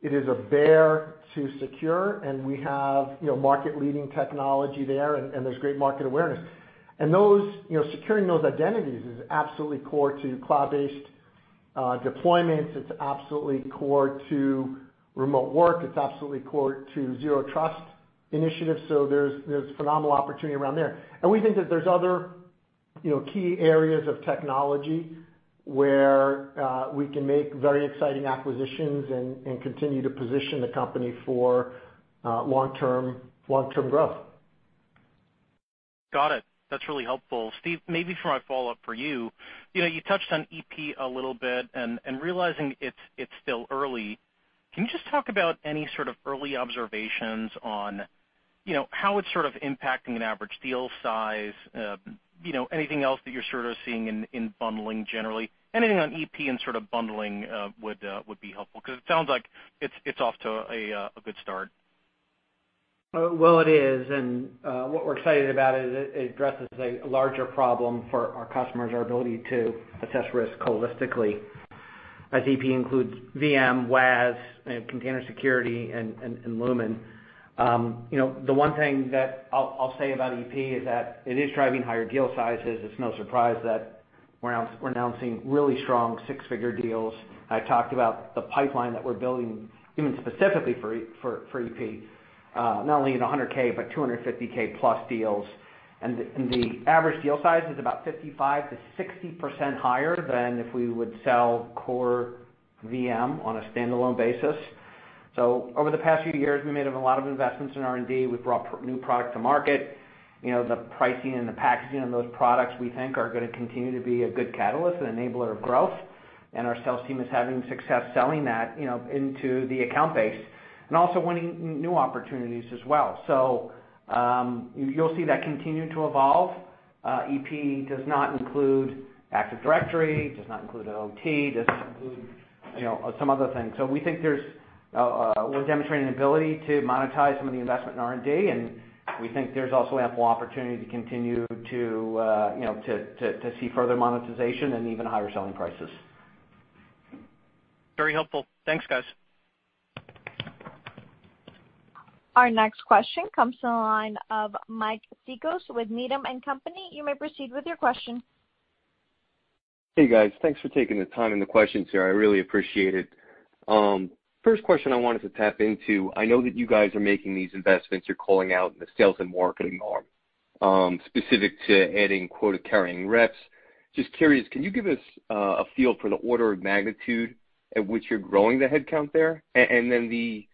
is a bear to secure, and we have market-leading technology there, and there's great market awareness. Securing those identities is absolutely core to cloud-based deployments. It's absolutely core to remote work. It's absolutely core to Zero Trust initiatives. There's phenomenal opportunity around there. We think that there's other key areas of technology where we can make very exciting acquisitions and continue to position the company for long-term growth. Got it. That's really helpful. Steve, maybe for my follow-up for you. You touched on Tenable.ep a little bit, and realizing it's still early, can you just talk about any sort of early observations on how it's sort of impacting an average deal size? Anything else that you're sort of seeing in bundling generally? Anything on Tenable.ep and sort of bundling would be helpful, because it sounds like it's off to a good start. It is, and what we're excited about is it addresses a larger problem for our customers, our ability to assess risk holistically, as Tenable.ep includes VM, Tenable WAS, and container security, and Lumin. The one thing that I'll say about Tenable.ep is that it is driving higher deal sizes. It's no surprise that we're announcing really strong six-figure deals. I talked about the pipeline that we're building even specifically for Tenable.ep, not only in $100,000 but $250,000 + deals. The average deal size is about 55%-60% higher than if we would sell core VM on a standalone basis. Over the past few years, we made a lot of investments in R&D. We brought new product to market. The pricing and the packaging of those products we think are going to continue to be a good catalyst and enabler of growth. Our sales team is having success selling that into the account base and also winning new opportunities as well. You'll see that continue to evolve. Tenable.ep does not include Active Directory, does not include OT, does not include some other things. We think we're demonstrating an ability to monetize some of the investment in R&D, and we think there's also ample opportunity to continue to see further monetization and even higher selling prices. Very helpful. Thanks, guys. Our next question comes to the line of Mike Cikos with Needham & Company. You may proceed with your question. Hey, guys. Thanks for taking the time and the questions here. I really appreciate it. First question I wanted to tap into, I know that you guys are making these investments, you're calling out in the sales and marketing arm, specific to adding quota-carrying reps. Just curious, can you give us a feel for the order of magnitude at which you're growing the headcount there? Then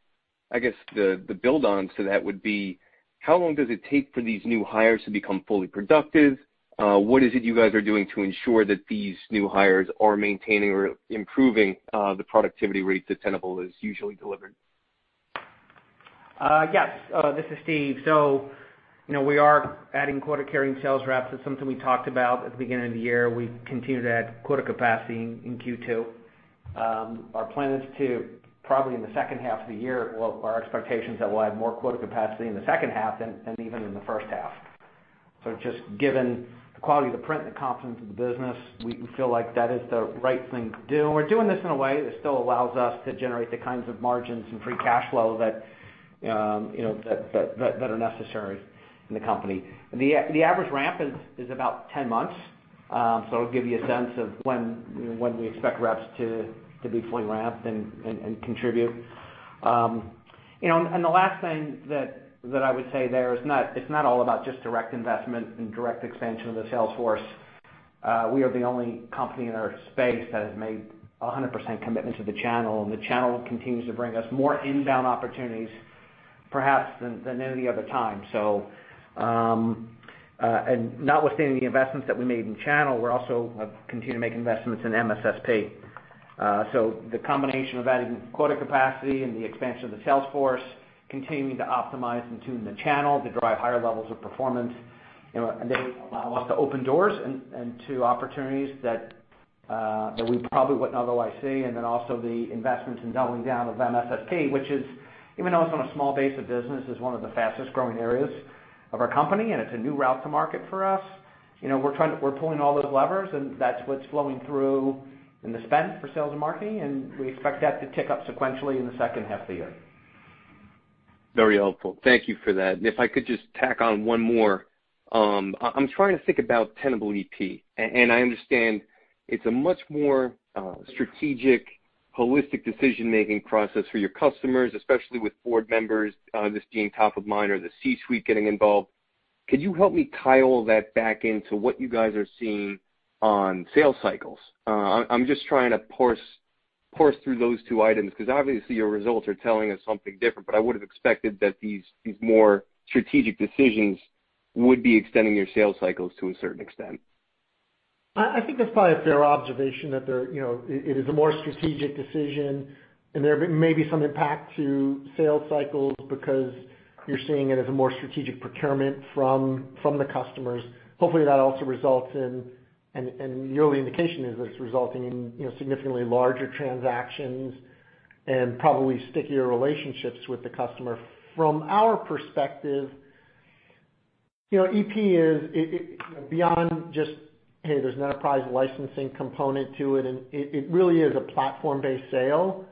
I guess the build on to that would be, how long does it take for these new hires to become fully productive? What is it you guys are doing to ensure that these new hires are maintaining or improving, the productivity rates that Tenable has usually delivered? Yes. This is Steve. We are adding quota-carrying sales reps. That's something we talked about at the beginning of the year. We continue to add quota capacity in Q2. Our plan is to probably in the second half of the year, well, our expectation is that we'll have more quota capacity in the second half than even in the first half. Given the quality of the print and the confidence of the business, we feel like that is the right thing to do, and we're doing this in a way that still allows us to generate the kinds of margins and free cash flow that are necessary in the company. The average ramp is about 10 months. It'll give you a sense of when we expect reps to be fully ramped and contribute. The last thing that I would say there, it's not all about just direct investment and direct expansion of the sales force. We are the only company in our space that has made 100% commitment to the channel, and the channel continues to bring us more inbound opportunities perhaps than any other time. Notwithstanding the investments that we made in channel, we're also continue to make investments in MSSP. The combination of adding quota capacity and the expansion of the sales force, continuing to optimize and tune the channel to drive higher levels of performance, and they allow us to open doors and to opportunities that we probably wouldn't otherwise see. Also the investments in doubling down of MSSP, which is, even though it's on a small base of business, is one of the fastest-growing areas of our company, and it's a new route to market for us. We're pulling all those levers, and that's what's flowing through in the spend for sales and marketing, and we expect that to tick up sequentially in the second half of the year. Very helpful. Thank you for that. If I could just tack on one more. I'm trying to think about Tenable Tenable.ep, and I understand it's a much more strategic, holistic decision-making process for your customers, especially with board members, just being top of mind or the C-suite getting involved. Could you help me tie all that back into what you guys are seeing on sales cycles? I'm just trying to parse through those two items, because obviously your results are telling us something different, but I would've expected that these more strategic decisions would be extending your sales cycles to a certain extent. I think that's probably a fair observation that it is a more strategic decision and there may be some impact to sales cycles because you're seeing it as a more strategic procurement from the customers. Hopefully, that also results in, and your early indication is it's resulting in significantly larger transactions and probably stickier relationships with the customer. From our perspective, Tenable.ep is, beyond just, hey, there's an enterprise licensing component to it, and it really is a platform-based sale,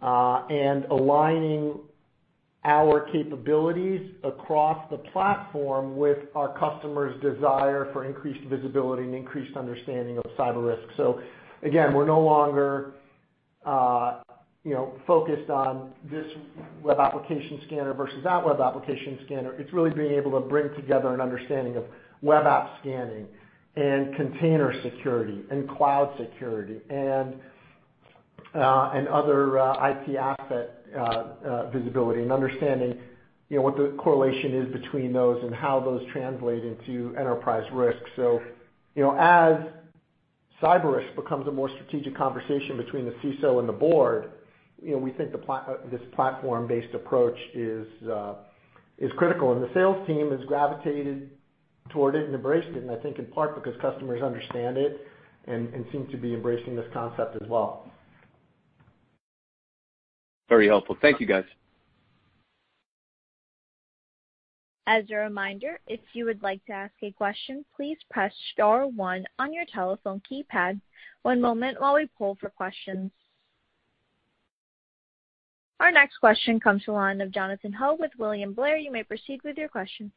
and aligning our capabilities across the platform with our customers' desire for increased visibility and increased understanding of cyber risk. Again, we're no longer focused on this web application scanner versus that web application scanner. It's really being able to bring together an understanding of web app scanning and container security and cloud security and other IP asset visibility and understanding what the correlation is between those and how those translate into enterprise risk. As cyber risk becomes a more strategic conversation between the CISO and the board, we think this platform-based approach is critical, and the sales team has gravitated toward it and embraced it, and I think in part because customers understand it and seem to be embracing this concept as well. Very helpful. Thank you, guys. As a reminder, if you would like to ask a question, please press star one on your telephone keypad. Our next question comes to the line of Jonathan Ho with William Blair. You may proceed with your question.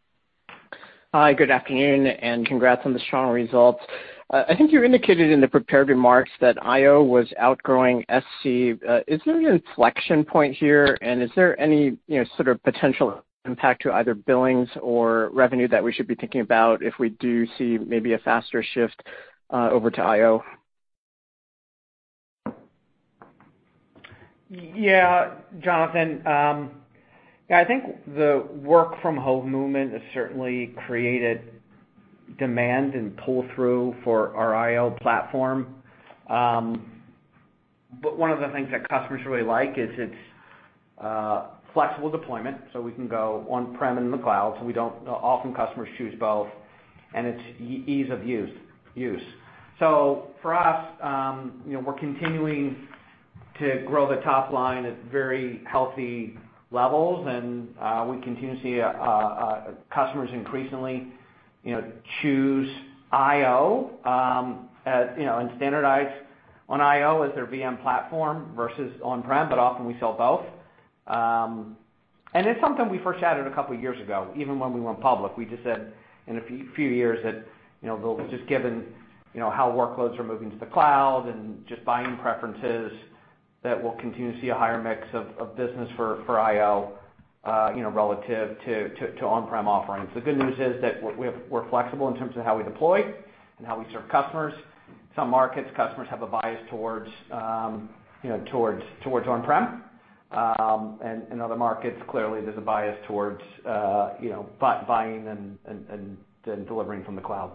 Hi, good afternoon, and congrats on the strong results. I think you indicated in the prepared remarks that IO was outgrowing Tenable.sc. Is there an inflection point here, and is there any sort of potential impact to either billings or revenue that we should be thinking about if we do see maybe a faster shift over to IO? Yeah. Jonathan, I think the work from home movement has certainly created demand and pull-through for our IO platform. One of the things that customers really like is its flexible deployment, we can go on-prem and in the cloud, often customers choose both, and it's ease of use. For us, we're continuing to grow the top line at very healthy levels, and we continue to see customers increasingly choose IO and standardize on IO as their VM platform versus on-prem, but often we sell both. It's something we foreshadowed a couple of years ago, even when we weren't public. We just said in a few years that just given how workloads are moving to the cloud and just buying preferences, that we'll continue to see a higher mix of business for IO relative to on-prem offerings. The good news is that we're flexible in terms of how we deploy and how we serve customers. Some markets, customers have a bias towards on-prem, and in other markets, clearly there's a bias towards buying and delivering from the cloud.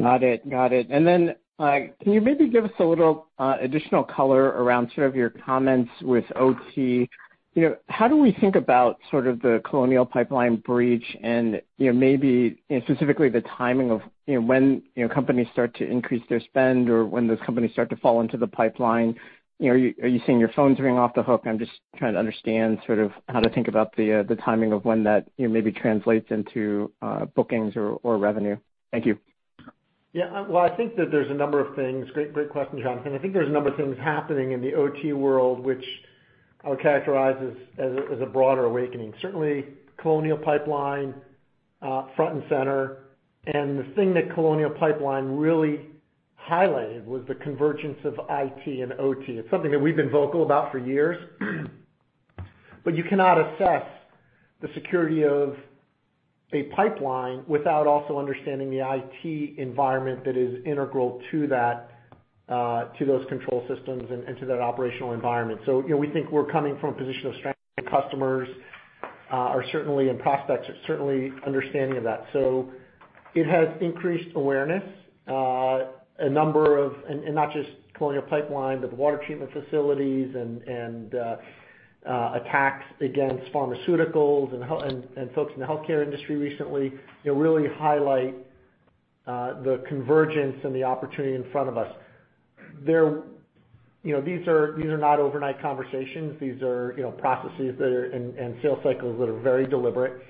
Got it. Can you maybe give us a little additional color around some of your comments with OT? How do we think about the Colonial Pipeline breach and maybe specifically the timing of when companies start to increase their spend or when those companies start to fall into the pipeline? Are you seeing your phones ring off the hook? I'm just trying to understand how to think about the timing of when that maybe translates into bookings or revenue. Thank you. Yeah. Well, I think that there's a number of things. Great question, Jonathan. I think there's a number of things happening in the OT world which I would characterize as a broader awakening. Certainly, Colonial Pipeline front and center. The thing that Colonial Pipeline really highlighted was the convergence of IT and OT. It's something that we've been vocal about for years. You cannot assess the security of a pipeline without also understanding the IT environment that is integral to those control systems and to that operational environment. We think we're coming from a position of strength, and customers and prospects are certainly understanding of that. It has increased awareness. A number of, and not just Colonial Pipeline, but the water treatment facilities and attacks against pharmaceuticals and folks in the healthcare industry recently really highlight the convergence and the opportunity in front of us. These are not overnight conversations. These are processes and sales cycles that are very deliberate.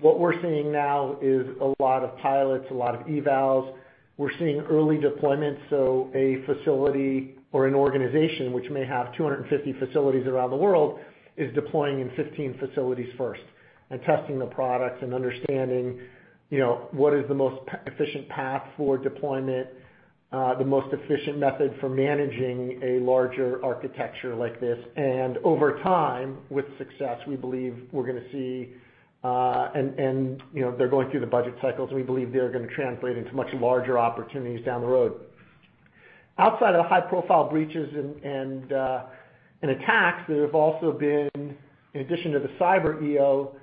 What we're seeing now is a lot of pilots, a lot of evals. We're seeing early deployments. A facility or an organization which may have 250 facilities around the world is deploying in 15 facilities first and testing the products and understanding what is the most efficient path for deployment, the most efficient method for managing a larger architecture like this. Over time, with success, we believe we're going to see, they're going through the budget cycles, and we believe they're going to translate into much larger opportunities down the road. Outside of the high-profile breaches and attacks, there have also been, in addition to the cyber EO,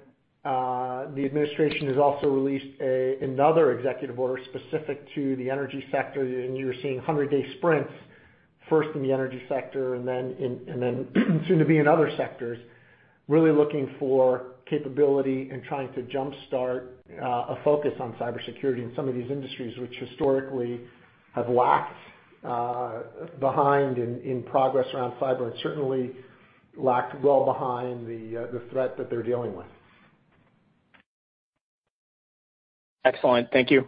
the administration has also released another executive order specific to the energy sector. You are seeing 100-day sprints first in the energy sector and then soon to be in other sectors, really looking for capability and trying to jumpstart a focus on cybersecurity in some of these industries which historically have lagged behind in progress around cyber and certainly lacked well behind the threat that they're dealing with. Excellent. Thank you.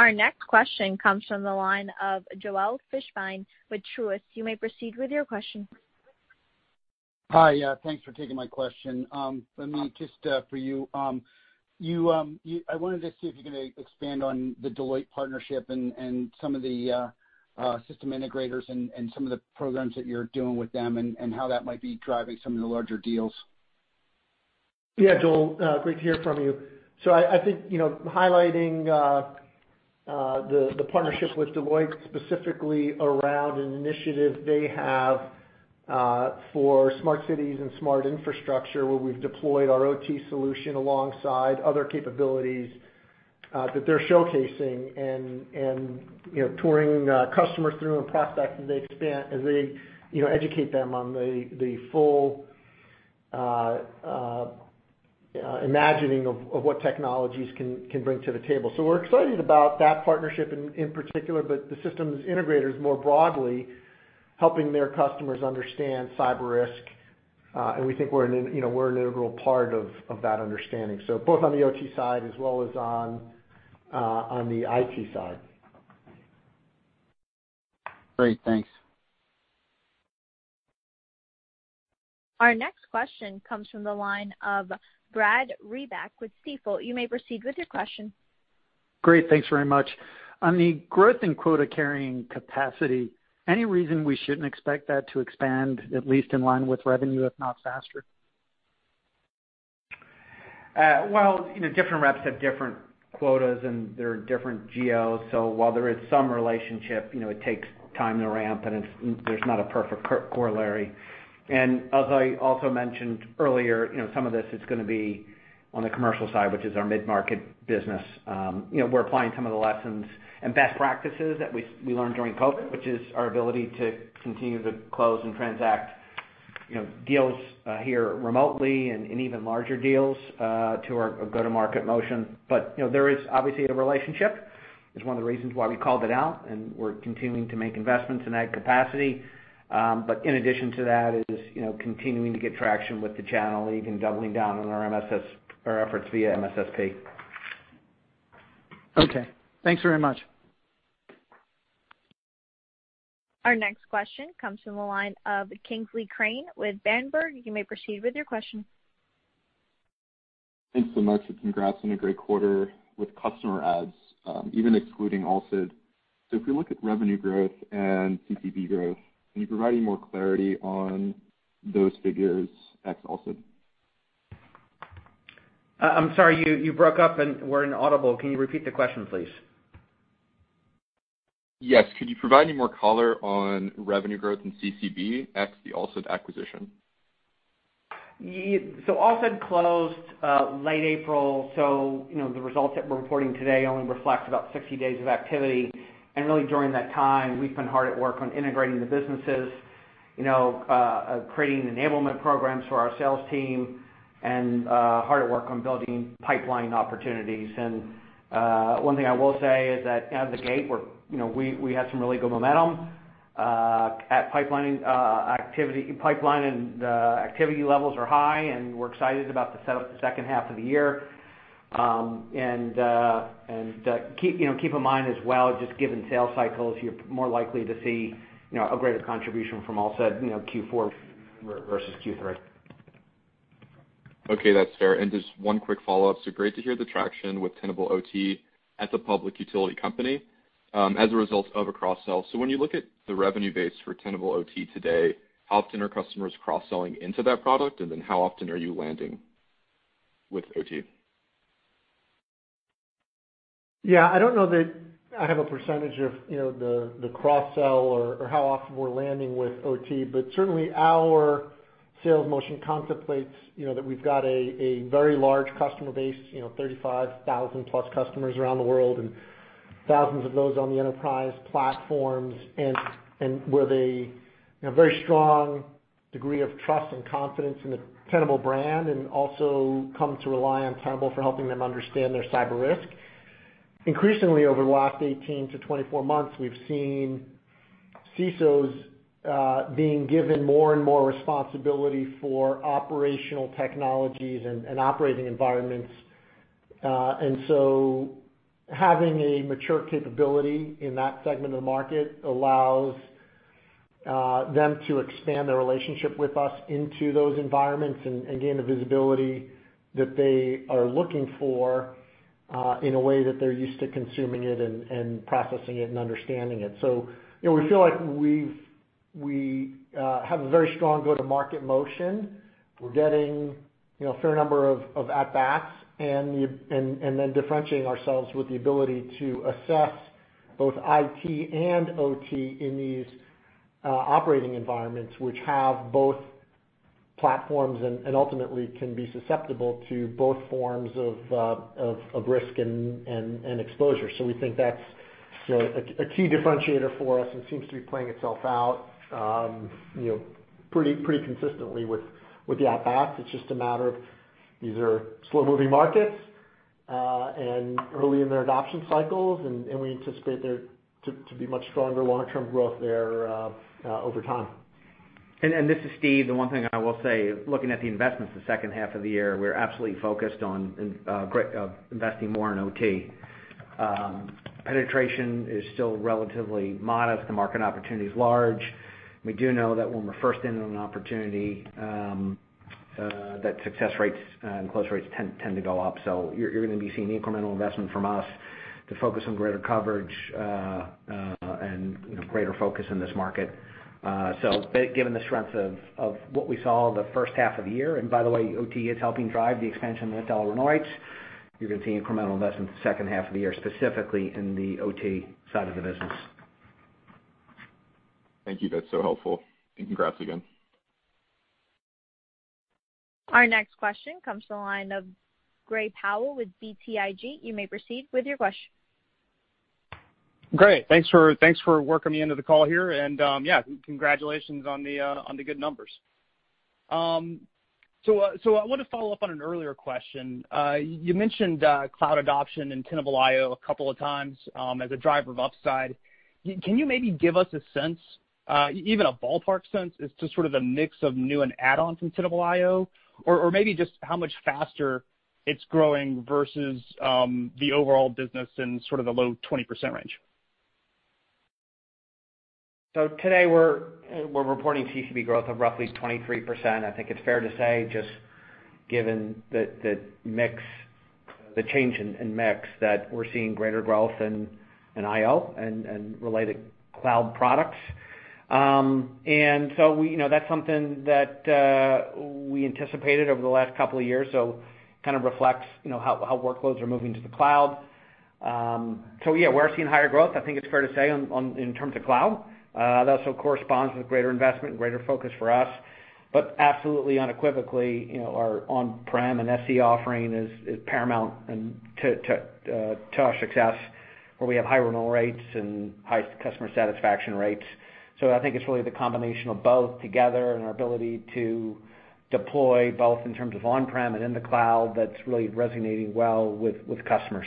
Our next question comes from the line of Joel Fishbein with Truist. You may proceed with your question. Hi. Yeah, thanks for taking my question. For me, just for you, I wanted to see if you could expand on the Deloitte partnership and some of the system integrators and some of the programs that you're doing with them, and how that might be driving some of the larger deals. Yeah, Joel. Great to hear from you. I think highlighting the partnership with Deloitte specifically around an initiative they have for smart cities and smart Infrastructure, where we've deployed our OT solution alongside other capabilities that they're showcasing and touring customers through and prospects as they educate them on the full imagining of what technologies can bring to the table. We're excited about that partnership in particular, but the systems integrators more broadly helping their customers understand cyber risk. We think we're an integral part of that understanding. Both on the OT side as well as on the IT side. Great. Thanks. Our next question comes from the line of Brad Reback with Stifel. You may proceed with your question. Great, thanks very much. On the growth in quota carrying capacity, any reason we shouldn't expect that to expand, at least in line with revenue, if not faster? Well, different reps have different quotas, and there are different geos. While there is some relationship, it takes time to ramp, and there's not a perfect corollary. As I also mentioned earlier, some of this is going to be on the commercial side, which is our mid-market business. We're applying some of the lessons and best practices that we learned during COVID, which is our ability to continue to close and transact deals here remotely and even larger deals to our go-to-market motion. There is obviously a relationship. It's one of the reasons why we called it out, and we're continuing to make investments in that capacity. In addition to that is continuing to get traction with the channel, even doubling down on our efforts via MSSP. Okay. Thanks very much. Our next question comes from the line of Kingsley Crane with Berenberg. You may proceed with your question. Thanks so much, congrats on a great quarter with customer adds, even excluding Alsid. If we look at revenue growth and CCB growth, can you provide any more clarity on those figures ex Alsid? I'm sorry. You broke up and were inaudible. Can you repeat the question, please? Yes. Could you provide any more color on revenue growth in CCB ex the Alsid acquisition? Alsid closed late April, so the results that we're reporting today only reflect about 60 days of activity. Really, during that time, we've been hard at work on integrating the businesses, creating enablement programs for our sales team, and hard at work on building pipeline opportunities. One thing I will say is that out of the gate, we had some really good momentum. Pipeline and activity levels are high, and we're excited about the second half of the year. Keep in mind as well, just given sales cycles, you're more likely to see a greater contribution from Alsid Q4 versus Q3. Okay, that's fair. Just one quick follow-up. Great to hear the traction with Tenable OT at the public utility company as a result of a cross-sell. When you look at the revenue base for Tenable OT today, how often are customers cross-selling into that product? How often are you landing with OT? I don't know that I have a percentage of the cross-sell or how often we're landing with OT, but certainly our sales motion contemplates that we've got a very large customer base, 35,000+ customers around the world, and thousands of those on the enterprise platforms, and with a very strong degree of trust and confidence in the Tenable brand, and also come to rely on Tenable for helping them understand their cyber risk. Increasingly, over the last 18-24 months, we've seen CISOs being given more and more responsibility for operational technologies and operating environments. Having a mature capability in that segment of the market allows them to expand their relationship with us into those environments and gain the visibility that they are looking for in a way that they're used to consuming it and processing it and understanding it. We feel like we have a very strong go-to-market motion. We're getting a fair number of at-bats and then differentiating ourselves with the ability to assess both IT and OT in these operating environments, which have both platforms and ultimately can be susceptible to both forms of risk and exposure. We think that's a key differentiator for us and seems to be playing itself out pretty consistently with the at-bats. It's just a matter of these are slow-moving markets and early in their adoption cycles, and we anticipate there to be much stronger long-term growth there over time. This is Steve. The one thing I will say, looking at the investments the second half of the year, we're absolutely focused on investing more in OT. Penetration is still relatively modest. The market opportunity is large. We do know that when we're first in on an opportunity, that success rates and close rates tend to go up. You're going to be seeing incremental investment from us to focus on greater coverage and greater focus in this market. Given the strength of what we saw the first half of the year, and by the way, OT is helping drive the expansion with our renewal rates, you're going to see incremental investment the second half of the year, specifically in the OT side of the business. Thank you. That's so helpful. Congrats again. Our next question comes to the line of Gray Powell with BTIG. You may proceed with your question. Great. Thanks for working me into the call here. Yeah, congratulations on the good numbers. I want to follow up on an earlier question. You mentioned cloud adoption and Tenable.io a couple of times as a driver of upside. Can you maybe give us a sense, even a ballpark sense, as to sort of the mix of new and add-ons in Tenable.io? Maybe just how much faster it's growing versus the overall business in sort of the low 20% range? Today we're reporting CCB growth of roughly 23%. I think it's fair to say, just given the change in mix, that we're seeing greater growth in IO and related cloud products. That's something that we anticipated over the last couple of years, so kind of reflects how workloads are moving to the cloud. Yeah, we're seeing higher growth, I think it's fair to say, in terms of cloud. That also corresponds with greater investment and greater focus for us. Absolutely unequivocally, our on-prem and SC offering is paramount to our success, where we have high renewal rates and high customer satisfaction rates. I think it's really the combination of both together and our ability to deploy both in terms of on-prem and in the cloud that's really resonating well with customers.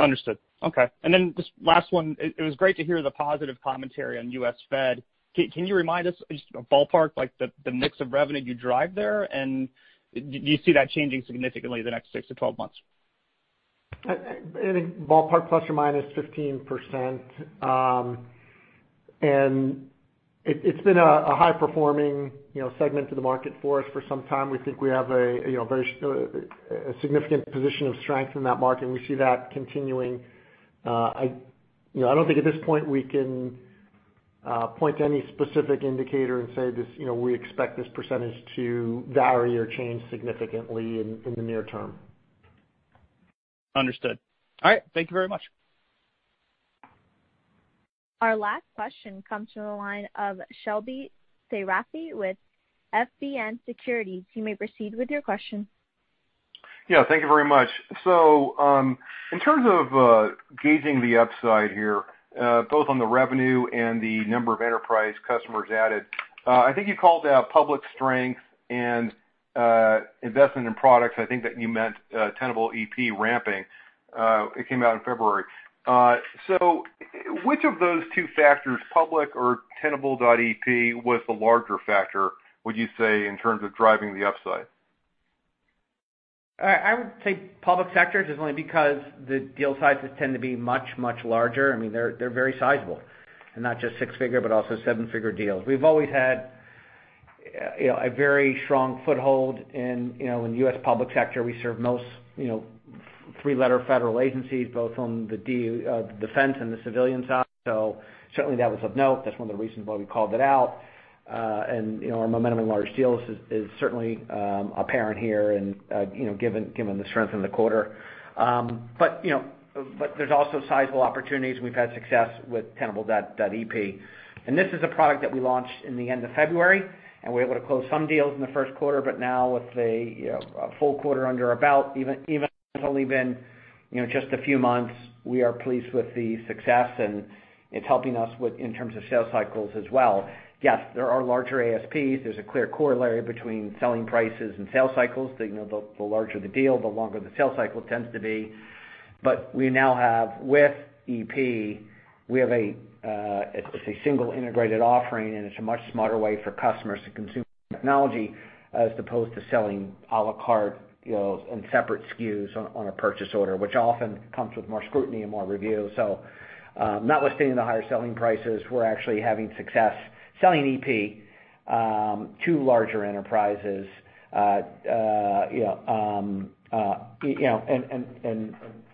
Understood. Okay, just last one, it was great to hear the positive commentary on U.S. Fed. Can you remind us just a ballpark, like the mix of revenue you drive there, and do you see that changing significantly the next 6-12 months? I think ballpark, ±15%. It's been a high-performing segment to the market for us for some time. We think we have a very significant position of strength in that market, and we see that continuing. I don't think at this point we can point to any specific indicator and say, we expect this percentage to vary or change significantly in the near term. Understood. All right. Thank you very much. Our last question comes from the line of Shebly Seyrafi with FBN Securities. You may proceed with your question. Yeah, thank you very much. In terms of gauging the upside here, both on the revenue and the number of enterprise customers added, I think you called out public strength and investment in products. I think that you meant Tenable.ep ramping. It came out in February. Which of those two factors, public or Tenable.ep, was the larger factor, would you say, in terms of driving the upside? I would say public sector, just only because the deal sizes tend to be much larger. They're very sizable. Not just six figure, but also seven figure deals. We've always had a very strong foothold in U.S. public sector. We serve most three letter federal agencies, both on the defense and the civilian side. Certainly that was of note. That's one of the reasons why we called it out. Our momentum in large deals is certainly apparent here and given the strength in the quarter. There's also sizable opportunities, and we've had success with Tenable.ep. This is a product that we launched in the end of February, and we're able to close some deals in the first quarter. Now with a full quarter under our belt, even it's only been just a few months, we are pleased with the success, and it's helping us in terms of sales cycles as well. Yes, there are larger ASPs. There's a clear corollary between selling prices and sales cycles. The larger the deal, the longer the sales cycle tends to be. We now have with Tenable.ep, it's a single integrated offering, and it's a much smarter way for customers to consume technology as opposed to selling à la carte in separate SKUs on a purchase order, which often comes with more scrutiny and more review. Notwithstanding the higher selling prices, we're actually having success selling Tenable.ep to larger enterprises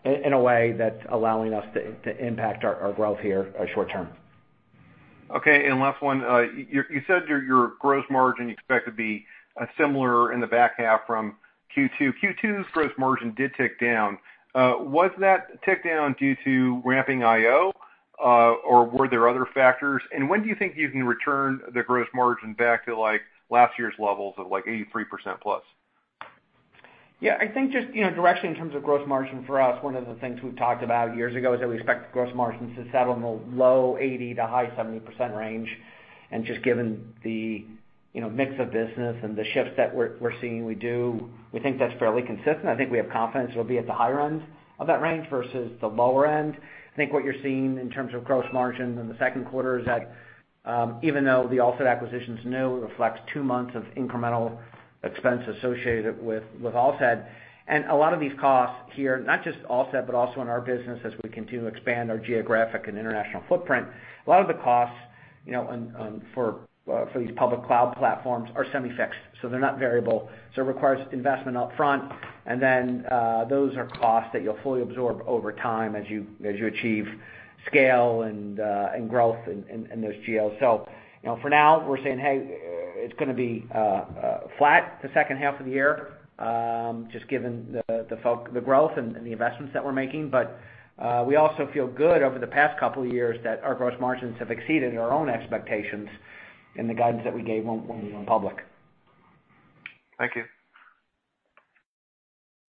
in a way that's allowing us to impact our growth here short-term. Last one, you said your gross margin you expect to be similar in the back half from Q2. Q2's gross margin did tick down. Was that tick down due to ramping IO, or were there other factors? When do you think you can return the gross margin back to last year's levels of 83%+? Yeah, I think just directionally in terms of gross margin for us, one of the things we've talked about years ago is that we expect gross margins to settle in the low 80% to high 70% range. Just given the mix of business and the shifts that we're seeing we do, we think that's fairly consistent. I think we have confidence it'll be at the higher end of that range versus the lower end. I think what you're seeing in terms of gross margins in the second quarter is that even though the Alsid acquisition is new, it reflects two months of incremental expense associated with Alsid. A lot of these costs here, not just Alsid, but also in our business as we continue to expand our geographic and international footprint, a lot of the costs for these public cloud platforms are semi-fixed. They're not variable. It requires investment upfront, and then those are costs that you'll fully absorb over time as you achieve scale and growth in those geos. For now, we're saying, hey, it's going to be flat the second half of the year, just given the growth and the investments that we're making. We also feel good over the past couple of years that our gross margins have exceeded our own expectations and the guidance that we gave when we went public. Thank you.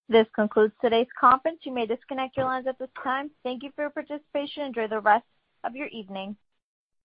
This concludes today's conference. You may disconnect your lines at this time. Thank you for your participation. Enjoy the rest of your evening.